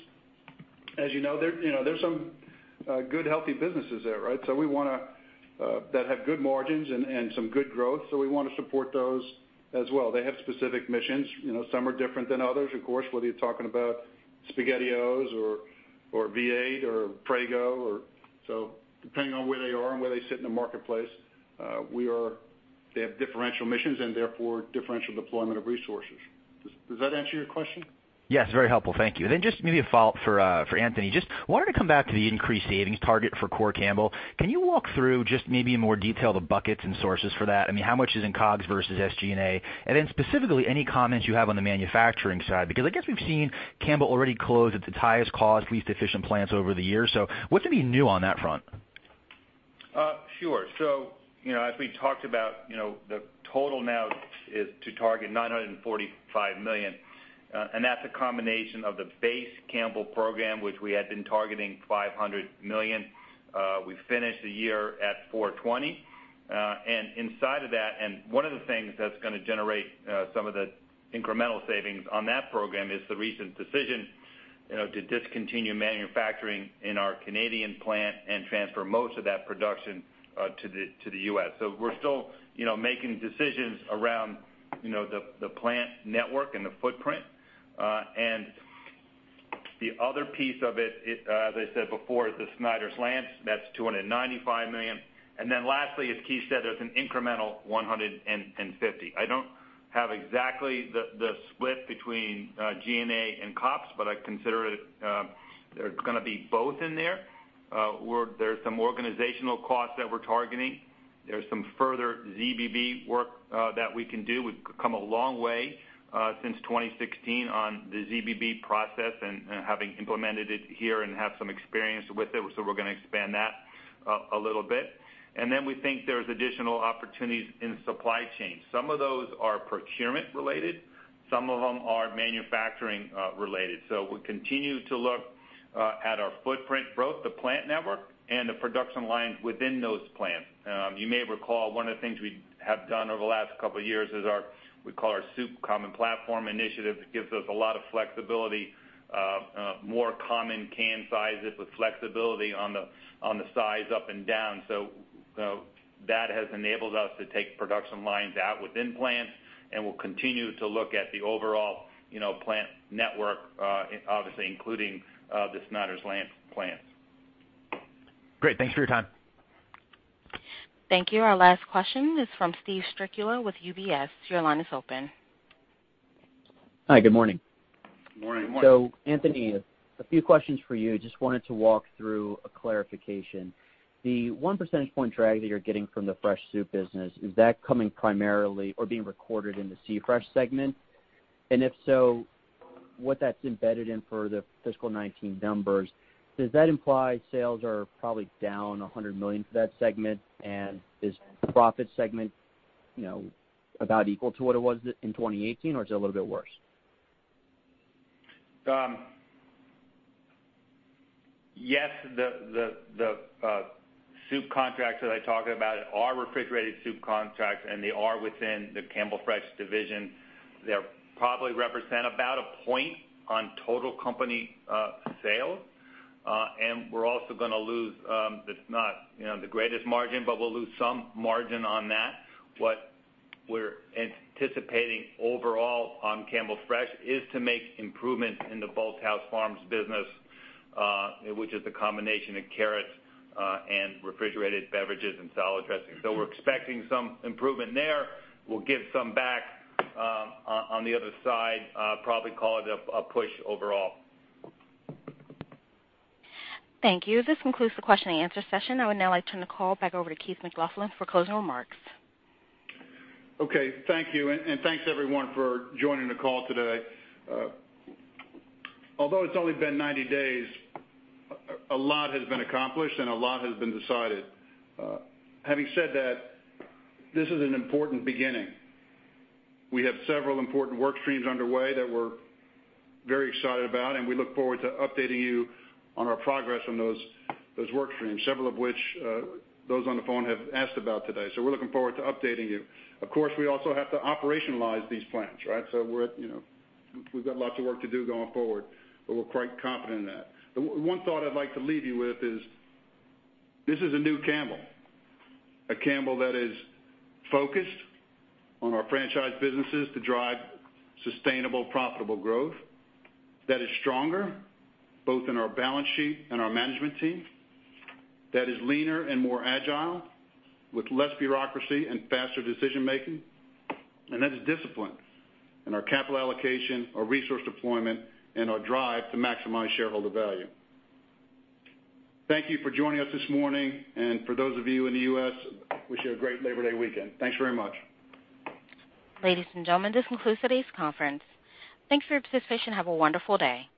as you know, there's some good, healthy businesses there, right? That have good margins and some good growth. We want to support those as well. They have specific missions. Some are different than others, of course, whether you're talking about SpaghettiOs or V8 or Prego or so, depending on where they are and where they sit in the marketplace, we are They have differential missions and therefore differential deployment of resources. Does that answer your question? Yes, very helpful. Thank you. Just maybe a follow-up for Anthony. Just wanted to come back to the increased savings target for core Campbell. Can you walk through just maybe in more detail the buckets and sources for that? How much is in COGS versus SG&A? And specifically, any comments you have on the manufacturing side, because I guess we've seen Campbell already close at the highest cost, least efficient plants over the years, so what could be new on that front? Sure. As we talked about, the total now is to target $945 million, that's a combination of the base Campbell program, which we had been targeting $500 million. We finished the year at $420 million. Inside of that, and one of the things that's going to generate some of the incremental savings on that program is the recent decision to discontinue manufacturing in our Canadian plant and transfer most of that production to the U.S. We're still making decisions around the plant network and the footprint. The other piece of it, as I said before, is the Snyder's-Lance, that's $295 million. Lastly, as Keith said, there's an incremental $150 million. I don't have exactly the split between G&A and COGS, but I consider it there's going to be both in there, where there's some organizational costs that we're targeting. There's some further ZBB work that we can do. We've come a long way since 2016 on the ZBB process and having implemented it here and have some experience with it, we're going to expand that a little bit. We think there's additional opportunities in supply chain. Some of those are procurement related, some of them are manufacturing related. We continue to look at our footprint, both the plant network and the production lines within those plants. You may recall one of the things we have done over the last couple of years is our, we call our Soup Common Platform initiative. It gives us a lot of flexibility, more common can sizes with flexibility on the size up and down. That has enabled us to take production lines out within plants, and we'll continue to look at the overall plant network, obviously including the Snyder's-Lance plants. Great. Thanks for your time. Thank you. Our last question is from Steven Strycula with UBS. Your line is open. Hi, good morning. Good morning. Anthony, a few questions for you. Just wanted to walk through a clarification. The one percentage point drag that you're getting from the fresh soup business, is that coming primarily or being recorded in the C Fresh segment? If so, what that's embedded in for the fiscal 2019 numbers, does that imply sales are probably down $100 million for that segment? Is profit segment about equal to what it was in 2018, or is it a little bit worse? Yes, the soup contracts that I talked about are refrigerated soup contracts, and they are within the Campbell Fresh division. They probably represent about one point on total company sales. We're also going to lose, it's not the greatest margin, but we'll lose some margin on that. What we're anticipating overall on Campbell Fresh is to make improvements in the Bolthouse Farms business, which is the combination of carrots and refrigerated beverages and salad dressing. We're expecting some improvement there. We'll give some back on the other side, probably call it a push overall. Thank you. This concludes the question and answer session. I would now like to turn the call back over to Keith McLoughlin for closing remarks. Okay. Thank you, thanks everyone for joining the call today. Although it's only been 90 days, a lot has been accomplished, a lot has been decided. Having said that, this is an important beginning. We have several important work streams underway that we're very excited about, we look forward to updating you on our progress on those work streams, several of which those on the phone have asked about today. We're looking forward to updating you. Of course, we also have to operationalize these plans, right? We've got lots of work to do going forward, but we're quite confident in that. One thought I'd like to leave you with is this is a new Campbell, a Campbell that is focused on our franchise businesses to drive sustainable, profitable growth, that is stronger, both in our balance sheet and our management team, that is leaner and more agile with less bureaucracy and faster decision making, and that is disciplined in our capital allocation, our resource deployment, and our drive to maximize shareholder value. Thank you for joining us this morning, and for those of you in the U.S., wish you a great Labor Day weekend. Thanks very much. Ladies and gentlemen, this concludes today's conference. Thanks for your participation and have a wonderful day.